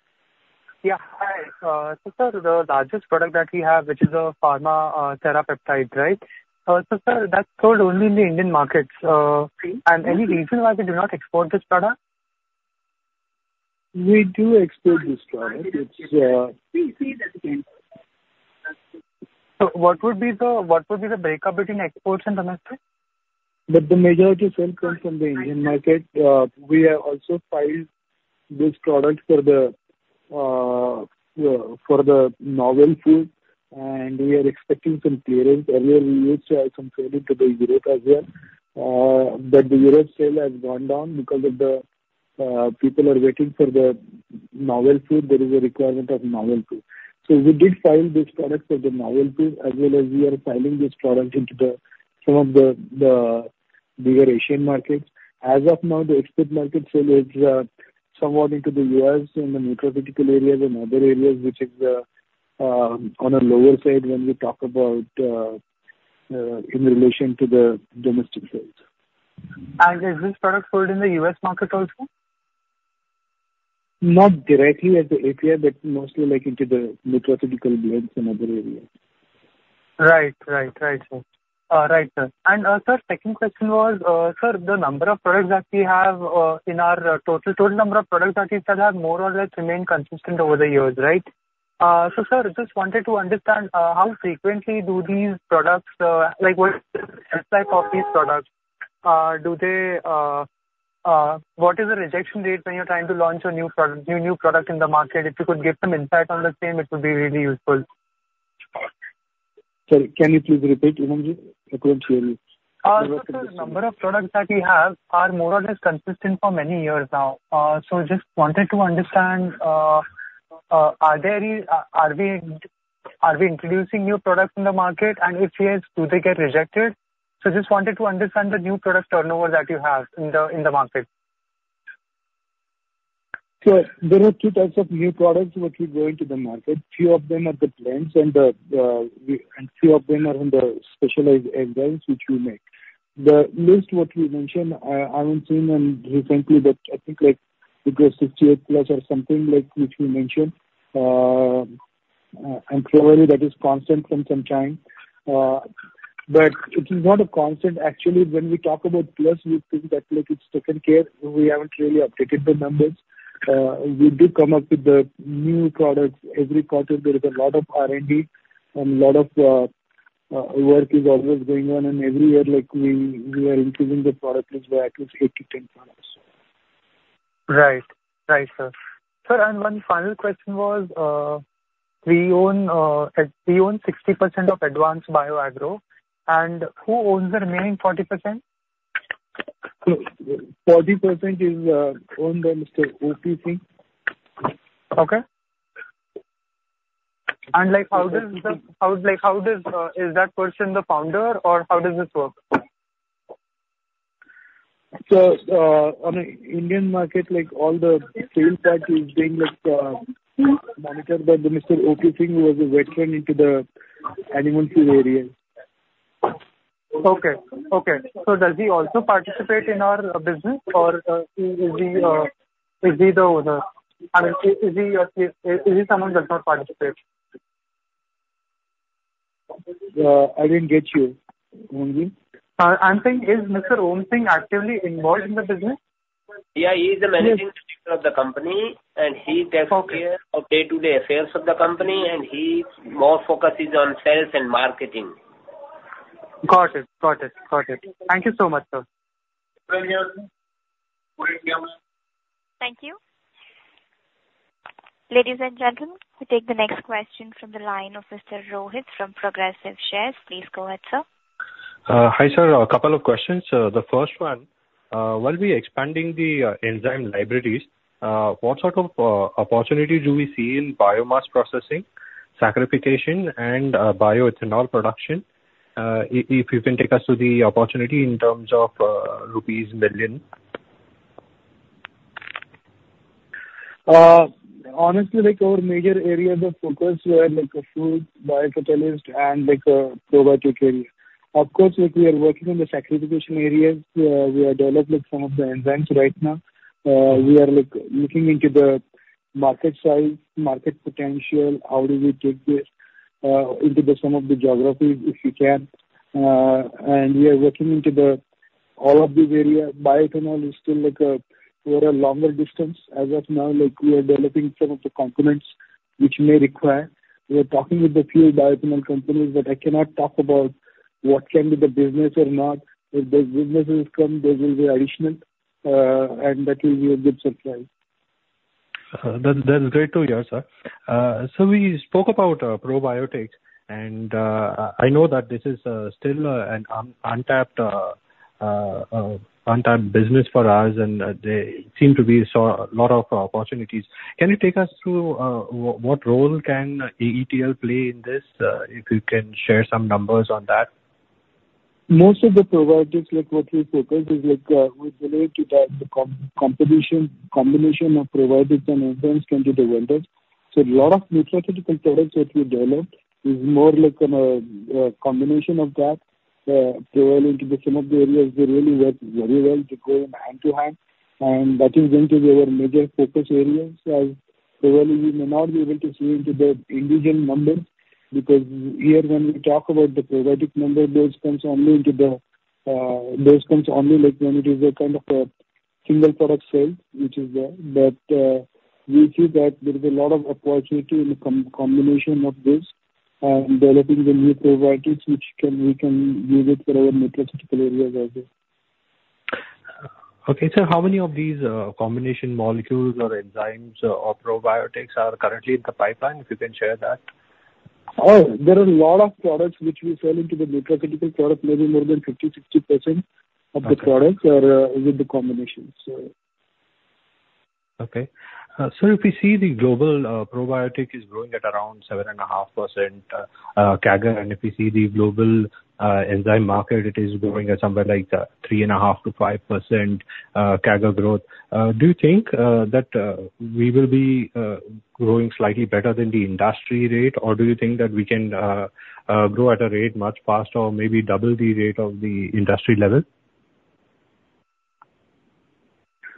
Speaker 11: Yeah. Hi. So, sir, the largest product that we have, which is a pharma, Serratiopeptidase, right? So, sir, that's sold only in the Indian markets. And any reason why we do not export this product?
Speaker 3: We do export this product. It's-
Speaker 1: Please read it again.
Speaker 11: So what would be the breakup between exports and domestic?
Speaker 3: But the majority sale comes from the Indian market. We have also filed this product for the novel food. And we are expecting some clearance. Earlier, we used some selling to Europe as well. But the Europe sale has gone down because of the people are waiting for the novel food. There is a requirement of novel food. So we did file this product for the novel food, as well as we are filing this product into some of the bigger Asian markets. As of now, the export market sale is somewhat into the U.S., in the nutraceutical areas and other areas, which is on a lower side when we talk about in relation to the domestic sales.
Speaker 11: Is this product sold in the U.S. market also?
Speaker 3: Not directly as the API, but mostly like into the nutraceutical goods and other areas.
Speaker 11: Right, sir. And, sir, second question was, sir, the number of products that we have in our total, total number of products that we sell have more or less remained consistent over the years, right? So, sir, just wanted to understand how frequently do these products like what's the life of these products? What is the rejection date when you're trying to launch a new product, new, new product in the market? If you could give some insight on the same, it would be really useful.
Speaker 3: Sorry, can you please repeat, Umang Shah? It was very-
Speaker 11: So the number of products that we have are more or less consistent for many years now. So just wanted to understand, are we introducing new products in the market? And if yes, do they get rejected? So just wanted to understand the new product turnover that you have in the market.
Speaker 3: Sure. There are two types of new products which will go into the market. Few of them are the plants and the, and few of them are in the specialized enzymes which we make. The list what we mentioned, I haven't seen them recently, but I think, like, it was 68 plus or something like which we mentioned. And probably that is constant from some time. But it is not a constant. Actually, when we talk about plus, we think that, like, it's taken care. We haven't really updated the numbers. We do come up with the new products every quarter. There is a lot of R&D and lot of work is always going on, and every year, like, we are improving the product list by at least 8-10 products.
Speaker 11: Right, sir. Sir, and one final question was, we own, we own 60% of Advanced Bio-Agro, and who owns the remaining 40%?
Speaker 3: 40% is owned by Mr. O.P. Singh.
Speaker 11: Okay. And, like, how does the, how, like, how is that person the founder, or how does this work?
Speaker 3: So, on the Indian market, like, all the sales that is being, like, monitored by the Mr. O.P. Singh, who is a veteran into the animal food area.
Speaker 11: Okay. Okay. So does he also participate in our business, or, is he the owner? I mean, is he someone does not participate?
Speaker 3: I didn't get you, Mohanji.
Speaker 11: I'm saying, is Mr. OP Singh actively involved in the business?
Speaker 12: Yeah, he's the managing director of the company, and he takes care of day-to-day affairs of the company, and he more focuses on sales and marketing.
Speaker 11: Got it. Thank you so much, sir.
Speaker 1: Thank you. Ladies and gentlemen, we take the next question from the line of Mr. Rohit from Progressive Shares. Please go ahead, sir.
Speaker 13: Hi, sir, a couple of questions. The first one, while we are expanding the enzyme libraries, what sort of opportunity do we see in biomass processing, saccharification, and bioethanol production? If you can take us through the opportunity in terms of rupees million.
Speaker 3: Honestly, like, our major areas of focus were, like, food, biofertilizer, and, like, probiotic area. Of course, like, we are working on the saccharification areas. We are developing some of the enzymes right now. We are, like, looking into the market size, market potential, how do we take the, into the some of the geographies, if we can. And we are working into the, all of these areas. Bioethanol is still like a, for a longer distance. As of now, like, we are developing some of the components which may require. We are talking with a few bioethanol companies, but I cannot talk about what can be the business or not. If the businesses come, this will be additional, and that will be a good surprise.
Speaker 13: That, that is great to hear, sir. So we spoke about probiotics, and I know that this is still an untapped business for us, and there seem to be so a lot of opportunities. Can you take us through what role can ETL play in this? If you can share some numbers on that.
Speaker 3: Most of the probiotics, like, what we focused is, like, we believe to that the combination of probiotics and enzymes can be developed. So a lot of nutraceutical products that we developed is more like an a combination of that, probably into the some of the areas they really work very well together hand to hand, and that is going to be our major focus areas. Probably we may not be able to see into the individual numbers, because here when we talk about the probiotic number, those comes only into the, those comes only like when it is a kind of a single product sale, which is there. But, we see that there is a lot of opportunity in the combination of this, developing the new probiotics, which can, we can use it for our nutraceutical areas as well.
Speaker 13: Okay, sir, how many of these, combination molecules or enzymes or probiotics are currently in the pipeline? If you can share that.
Speaker 3: Oh, there are a lot of products which we sell into the nutraceutical product. Maybe more than 50%-60% of the products are with the combinations.
Speaker 13: Okay. So if you see the global probiotic is growing at around 7.5%, CAGR, and if you see the global enzyme market, it is growing at somewhere like 3.5%-5%, CAGR growth. Do you think that we will be growing slightly better than the industry rate, or do you think that we can grow at a rate much faster or maybe double the rate of the industry level?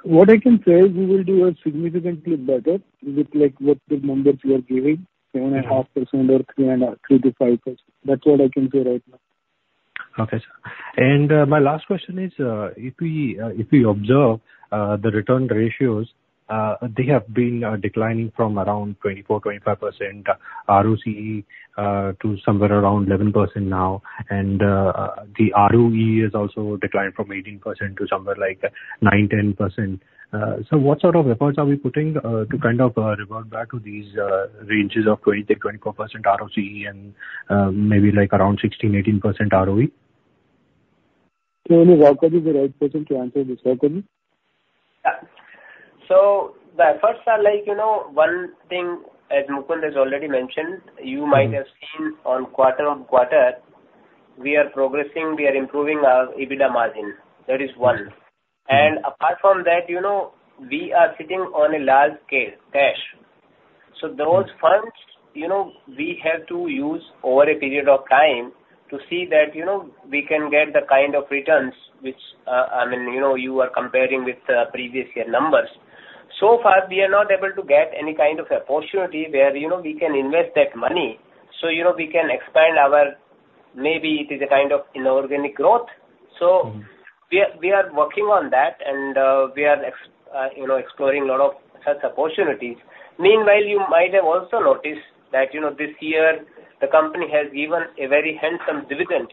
Speaker 3: What I can say is we will do a significantly better with like what the numbers you are giving, 7.5% or 3%-5%. That's what I can say right now.
Speaker 13: Okay, sir. And, my last question is, if we, if we observe, the return ratios, they have been, declining from around 24, 25% ROCE to somewhere around 11% now. And, the ROE has also declined from 18% to somewhere like 9, 10%. So what sort of efforts are we putting, to kind of, revert back to these, ranges of 20-24% ROCE and, maybe like around 16, 18% ROE?
Speaker 3: So Beni is the right person to answer this. Beni?
Speaker 4: So the efforts are like, you know, one thing, as Mukund has already mentioned, you might have seen on quarter-on-quarter, we are progressing, we are improving our EBITDA margin. That is one. And apart from that, you know, we are sitting on a large scale, cash. So those funds, you know, we have to use over a period of time to see that, you know, we can get the kind of returns which, I mean, you know, you are comparing with the previous year numbers. So far, we are not able to get any kind of opportunity where, you know, we can invest that money. So, you know, we can expand our... maybe it is a kind of inorganic growth. So-
Speaker 13: Mm-hmm.
Speaker 4: We are working on that, and we are exploring a lot of such opportunities. Meanwhile, you might have also noticed that, you know, this year the company has given a very handsome dividend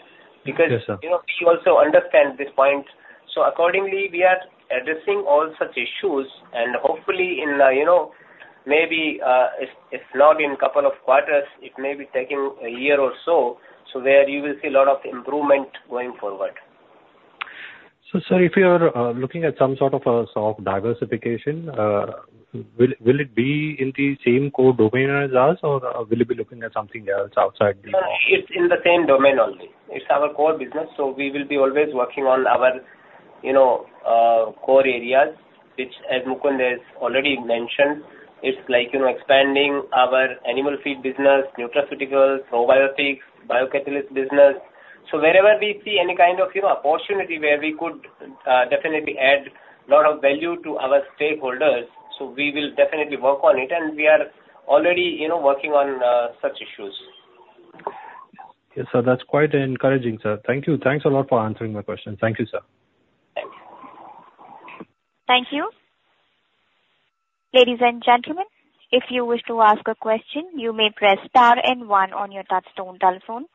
Speaker 4: because
Speaker 13: Yes, sir.
Speaker 4: You know, we also understand this point. So accordingly, we are addressing all such issues, and hopefully in, you know, maybe, if, if not in couple of quarters, it may be taking a year or so, so where you will see a lot of improvement going forward.
Speaker 13: Sir, if you are looking at some sort of a soft diversification, will it be in the same core domain as us, or will it be looking at something else outside the-
Speaker 4: No, it's in the same domain only. It's our core business, so we will be always working on our, you know, core areas, which, as Mukund has already mentioned, it's like, you know, expanding our animal feed business, nutraceuticals, probiotics, biocatalyst business. So wherever we see any kind of, you know, opportunity where we could, definitely add a lot of value to our stakeholders, so we will definitely work on it, and we are already, you know, working on, such issues.
Speaker 13: Okay, sir. That's quite encouraging, sir. Thank you. Thanks a lot for answering my question. Thank you, sir.
Speaker 4: Thank you.
Speaker 1: Thank you. Ladies and gentlemen, if you wish to ask a question, you may press star and one on your touchtone telephone.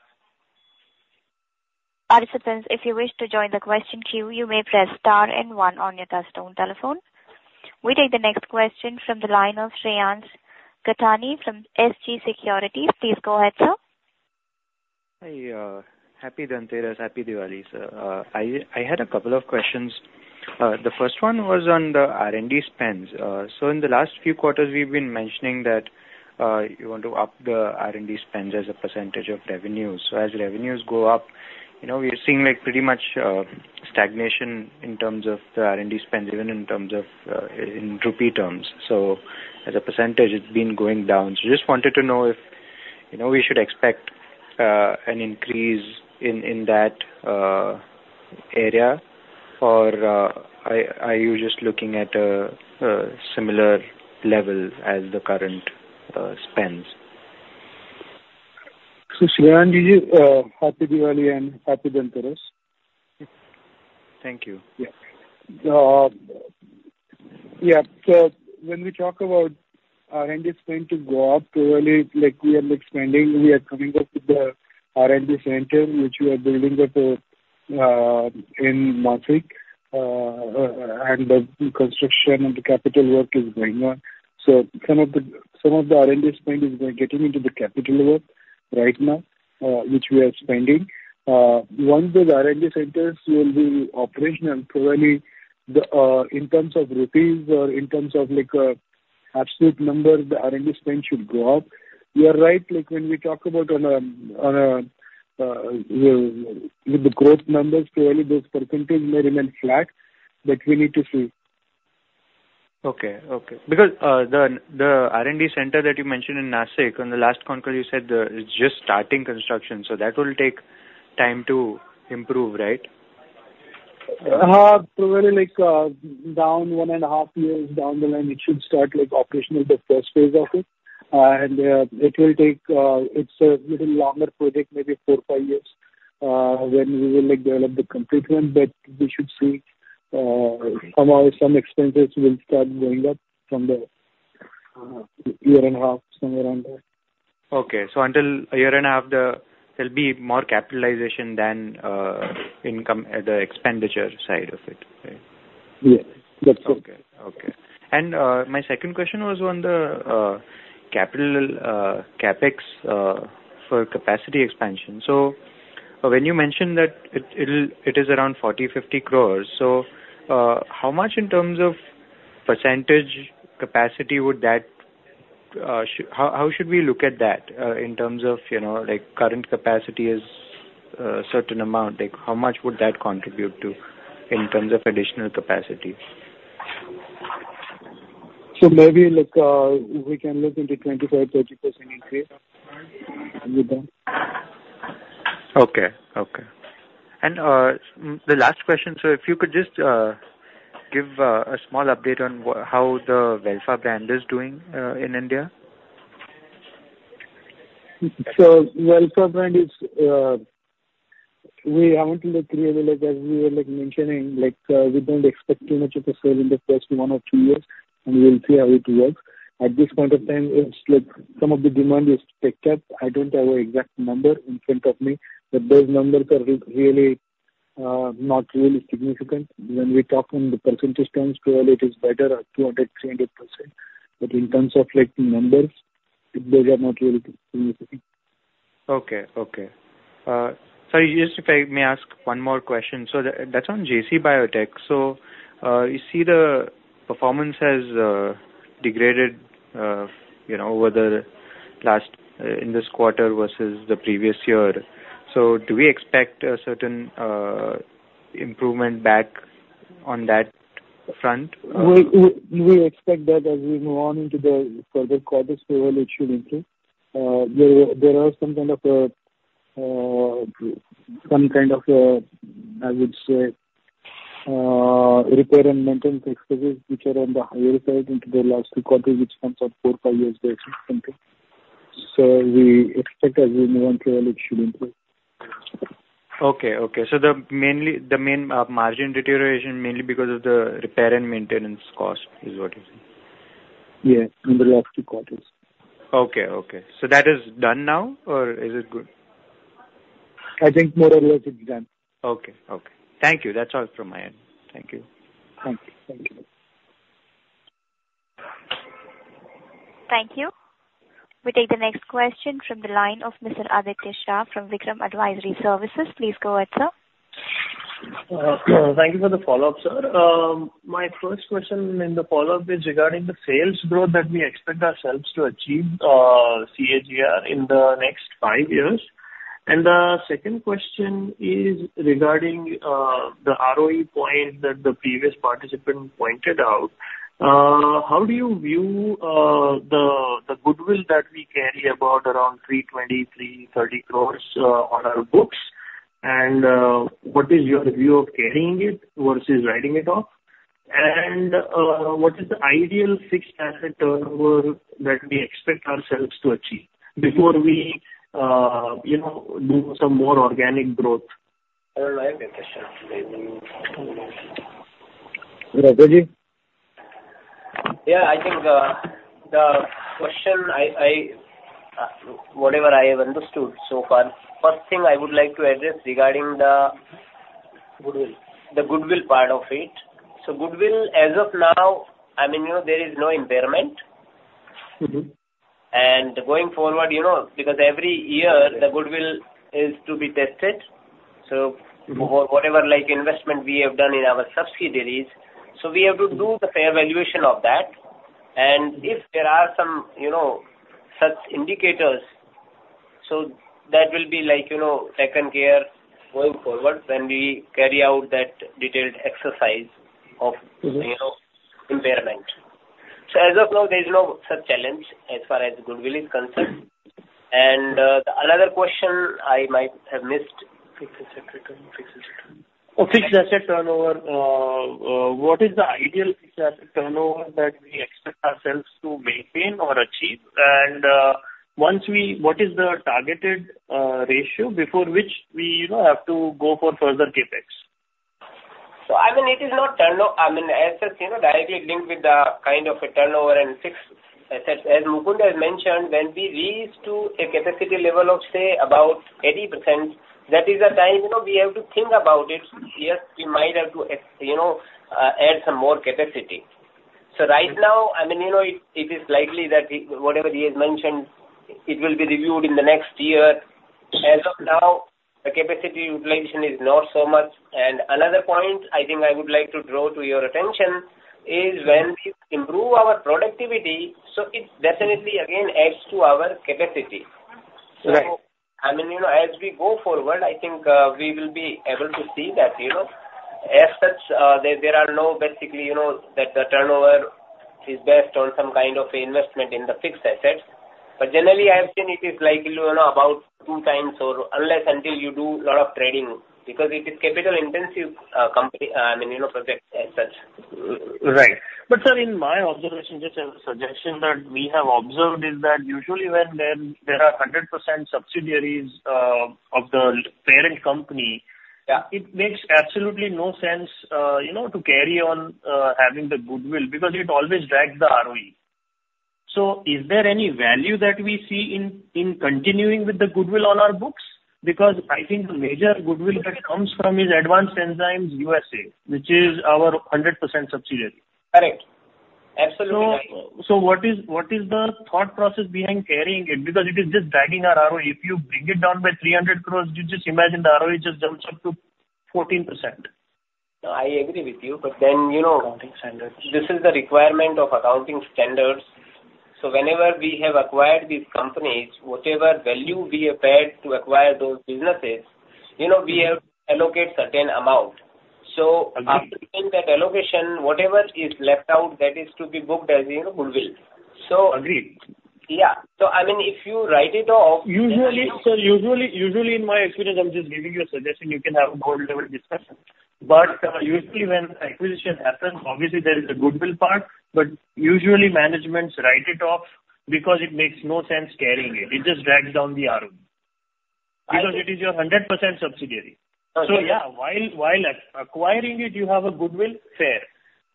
Speaker 1: Participants, if you wish to join the question queue, you may press star and one on your touchtone telephone. We take the next question from the line of Shreyansh Gathani from SG Securities. Please go ahead, sir.
Speaker 14: Hi, Happy Dhanteras, happy Diwali, sir. I had a couple of questions. The first one was on the R&D spends. So in the last few quarters, we've been mentioning that you want to up the R&D spends as a percentage of revenue. So as revenues go up, you know, we're seeing, like, pretty much stagnation in terms of the R&D spends, even in terms of in rupee terms. So as a percentage, it's been going down. So just wanted to know if, you know, we should expect an increase in that area, or are you just looking at a similar level as the current spends?
Speaker 3: So Shreyans, Happy Diwali and happy Dhanteras.
Speaker 14: Thank you.
Speaker 3: Yeah, so when we talk about R&D spend to go up, really, like, we are expanding, we are coming up with the R&D center, which we are building up, in Nashik, and the construction and the capital work is going on. So some of the, some of the R&D spend is getting into the capital work right now, which we are spending. Once those R&D centers will be operational, probably, the, in terms of rupees or in terms of, like, absolute numbers, the R&D spend should go up. You are right, like, when we talk about on a, with the growth numbers, clearly those percentages may remain flat, but we need to see.
Speaker 14: Okay. Because the R&D center that you mentioned in Nashik, on the last conference you said, it's just starting construction, so that will take time to improve, right?
Speaker 3: Probably like, down 1.5 years down the line, it should start, like, operational, the first phase of it. It will take. It's a little longer project, maybe 4-5 years, when we will, like, develop the complete one, but we should see, some expenses will start going up from there... 1.5 years, somewhere around there.
Speaker 14: Okay. So until a year and a half, there'll be more capitalization than income at the expenditure side of it, right?
Speaker 3: Yes, that's correct.
Speaker 14: Okay. And my second question was on the capital CapEx for capacity expansion. So when you mentioned that it'll, it is around 40 crores-50 crores, so how much in terms of percentage capacity would that shou- how, how should we look at that in terms of, you know, like, current capacity is certain amount? Like, how much would that contribute to in terms of additional capacity?
Speaker 3: So maybe look, we can look into 25%-30% increase with them.
Speaker 14: Okay. Okay. And, the last question, so if you could just, give, a small update on how the Veda brand is doing, in India?
Speaker 3: So Veda brand is, we want to look really, like, as we were, like, mentioning, like, we don't expect too much of a sale in the first one or two years, and we'll see how it works. At this point of time, it's like some of the demand is picked up. I don't have an exact number in front of me, but those numbers are really, not really significant. When we talk in the percentage terms, clearly it is better at 200, 300%, but in terms of, like, numbers, those are not really significant.
Speaker 14: Okay. So just if I may ask one more question, so that's on JC Biotech. So, you see the performance has degraded, you know, over the last in this quarter versus the previous year. So do we expect a certain improvement back on that front?
Speaker 3: We expect that as we move on into the further quarters, clearly it should improve. There are some kind of, I would say, repair and maintenance expenses, which are on the higher side into the last 2 quarters, which comes up 4 or 5 years based on something. So we expect as we move on, clearly it should improve.
Speaker 14: Okay. So the main margin deterioration mainly because of the repair and maintenance cost is what you're saying?
Speaker 3: Yes, in the last two quarters.
Speaker 14: Okay. So that is done now, or is it good?
Speaker 3: I think more or less it's done.
Speaker 14: Okay. Thank you. That's all from my end. Thank you.
Speaker 3: Thank you.
Speaker 1: Thank you. We take the next question from the line of Mr. Aditya Shah from Vikram Advisory Services. Please go ahead, sir.
Speaker 8: Thank you for the follow-up, sir. My first question in the follow-up is regarding the sales growth that we expect ourselves to achieve, CAGR in the next five years. The second question is regarding the ROE point that the previous participant pointed out. How do you view the goodwill that we carry about around 320 crores-330 crores on our books? What is your view of carrying it versus writing it off? What is the ideal fixed asset turnover that we expect ourselves to achieve before we, you know, do some more organic growth?
Speaker 3: Beni?
Speaker 4: Yeah, I think, the question I, whatever I have understood so far, first thing I would like to address regarding the-
Speaker 3: Goodwill.
Speaker 4: The goodwill part of it. So goodwill, as of now, I mean, you know, there is no impairment.
Speaker 8: Mm-hmm.
Speaker 4: Going forward, you know, because every year the goodwill is to be tested, so-
Speaker 8: Mm-hmm
Speaker 4: -whatever, like, investment we have done in our subsidiaries, so we have to do the fair valuation of that. If there are some, you know, such indicators, so that will be like, you know, taken care going forward when we carry out that detailed exercise of-
Speaker 8: Mm-hmm
Speaker 4: -you know, impairment. So as of now, there is no such challenge as far as goodwill is concerned. And, the another question I might have missed.
Speaker 8: Fixed asset return, fixed asset. Oh, fixed asset turnover. What is the ideal fixed asset turnover that we expect ourselves to maintain or achieve? And once we, what is the targeted ratio before which we, you know, have to go for further CapEx?
Speaker 4: So, I mean, it is not turnover. I mean, as such, you know, directly linked with the kind of a turnover and fixed assets. As Mukund has mentioned, when we reach to a capacity level of, say, about 80%, that is the time, you know, we have to think about it. Yes, we might have to, you know, add some more capacity. So right now, I mean, you know, it, it is likely that we, whatever he has mentioned, it will be reviewed in the next year. As of now, the capacity utilization is not so much. And another point I think I would like to draw to your attention is when we improve our productivity, so it definitely again adds to our capacity.
Speaker 8: Right.
Speaker 4: I mean, you know, as we go forward, I think, we will be able to see that, you know. As such, there are no basically, you know, that the turnover is based on some kind of a investment in the fixed assets. But generally, I have seen it is likely, you know, about two times or unless until you do lot of trading, because it is capital-intensive company, I mean, you know, project as such.
Speaker 8: Right. But sir, in my observation, just a suggestion that we have observed is that usually when there are 100% subsidiaries of the parent company-
Speaker 4: Yeah.
Speaker 8: It makes absolutely no sense, you know, to carry on having the goodwill, because it always drags the ROE. So is there any value that we see in continuing with the goodwill on our books? Because I think the major goodwill that comes from is Advanced Enzymes USA, which is our 100% subsidiary.
Speaker 4: Correct. Absolutely right.
Speaker 8: So, what is the thought process behind carrying it? Because it is just dragging our ROE. If you bring it down by 300 crore, you just imagine the ROE just jumps up to 14%.
Speaker 4: No, I agree with you, but then, you know-
Speaker 8: Accounting standards.
Speaker 4: This is the requirement of accounting standards. Whenever we have acquired these companies, whatever value we have paid to acquire those businesses, you know, we have allocate certain amount.
Speaker 8: Agreed.
Speaker 4: So after doing that allocation, whatever is left out, that is to be booked as, you know, goodwill. So,
Speaker 8: Agreed.
Speaker 4: Yeah. I mean, if you write it off-
Speaker 8: Usually. So usually, usually in my experience, I'm just giving you a suggestion. You can have a board-level discussion. But usually when acquisition happens, obviously there is a goodwill part, but usually managements write it off because it makes no sense carrying it.
Speaker 4: I agree.
Speaker 8: It just drags down the ROE.
Speaker 4: I agree.
Speaker 8: Because it is your 100% subsidiary.
Speaker 4: Okay.
Speaker 8: Yeah, while acquiring it, you have a goodwill, fair?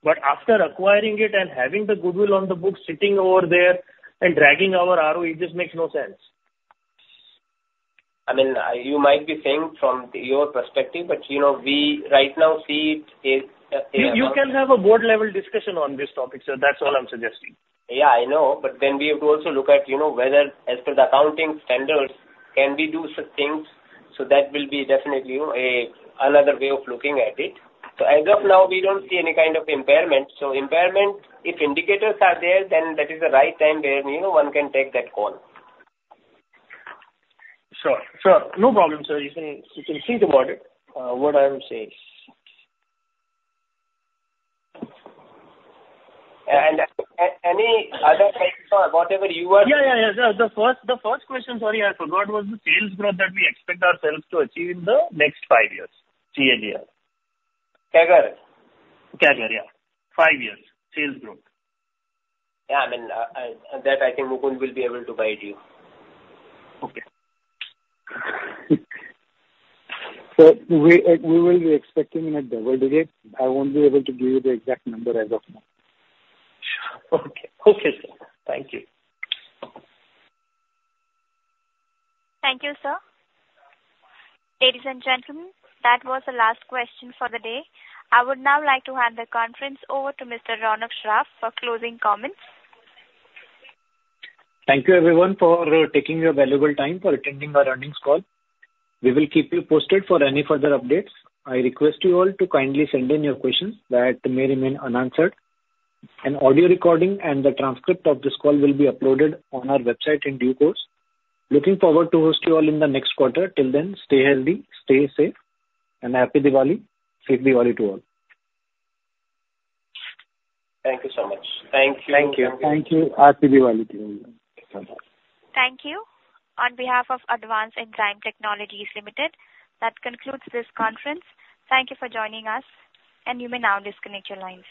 Speaker 8: But after acquiring it and having the goodwill on the books sitting over there and dragging our ROE, it just makes no sense.
Speaker 4: I mean, you might be saying from your perspective, but, you know, we right now see it as, a-
Speaker 8: You can have a board-level discussion on this topic, sir. That's all I'm suggesting.
Speaker 4: Yeah, I know. But then we have to also look at, you know, whether as per the accounting standards, can we do such things? So that will be definitely, you know, another way of looking at it. So as of now, we don't see any kind of impairment. So impairment, if indicators are there, then that is the right time where, you know, one can take that call.
Speaker 8: Sure. Sure. No problem, sir. You can, you can think about it, what I am saying.
Speaker 4: And any other things or whatever you are-
Speaker 8: Yeah, yeah, yeah. The first question, sorry, I forgot, was the sales growth that we expect ourselves to achieve in the next five years, CAGR.
Speaker 4: CAGR?
Speaker 8: CAGR, yeah. Five years, sales growth.
Speaker 4: Yeah, I mean, that I think Mukund will be able to guide you.
Speaker 8: Okay.
Speaker 2: So we, we will be expecting in a double digit. I won't be able to give you the exact number as of now.
Speaker 8: OOkay, sir. Thank you.
Speaker 1: Thank you, sir. Ladies and gentlemen, that was the last question for the day. I would now like to hand the conference over to Mr. Ronak Saraf for closing comments.
Speaker 2: Thank you, everyone, for taking your valuable time for attending our earnings call. We will keep you posted for any further updates. I request you all to kindly send in your questions that may remain unanswered. An audio recording and the transcript of this call will be uploaded on our website in due course. Looking forward to host you all in the next quarter. Till then, stay healthy, stay safe, and happy Diwali. Safe Diwali to all.
Speaker 4: Thank you so much.
Speaker 8: Thank you.
Speaker 4: Thank you.
Speaker 2: Thank you. Happy Diwali to you. Bye-bye.
Speaker 1: Thank you. On behalf of Advanced Enzyme Technologies Limited, that concludes this conference. Thank you for joining us, and you may now disconnect your lines.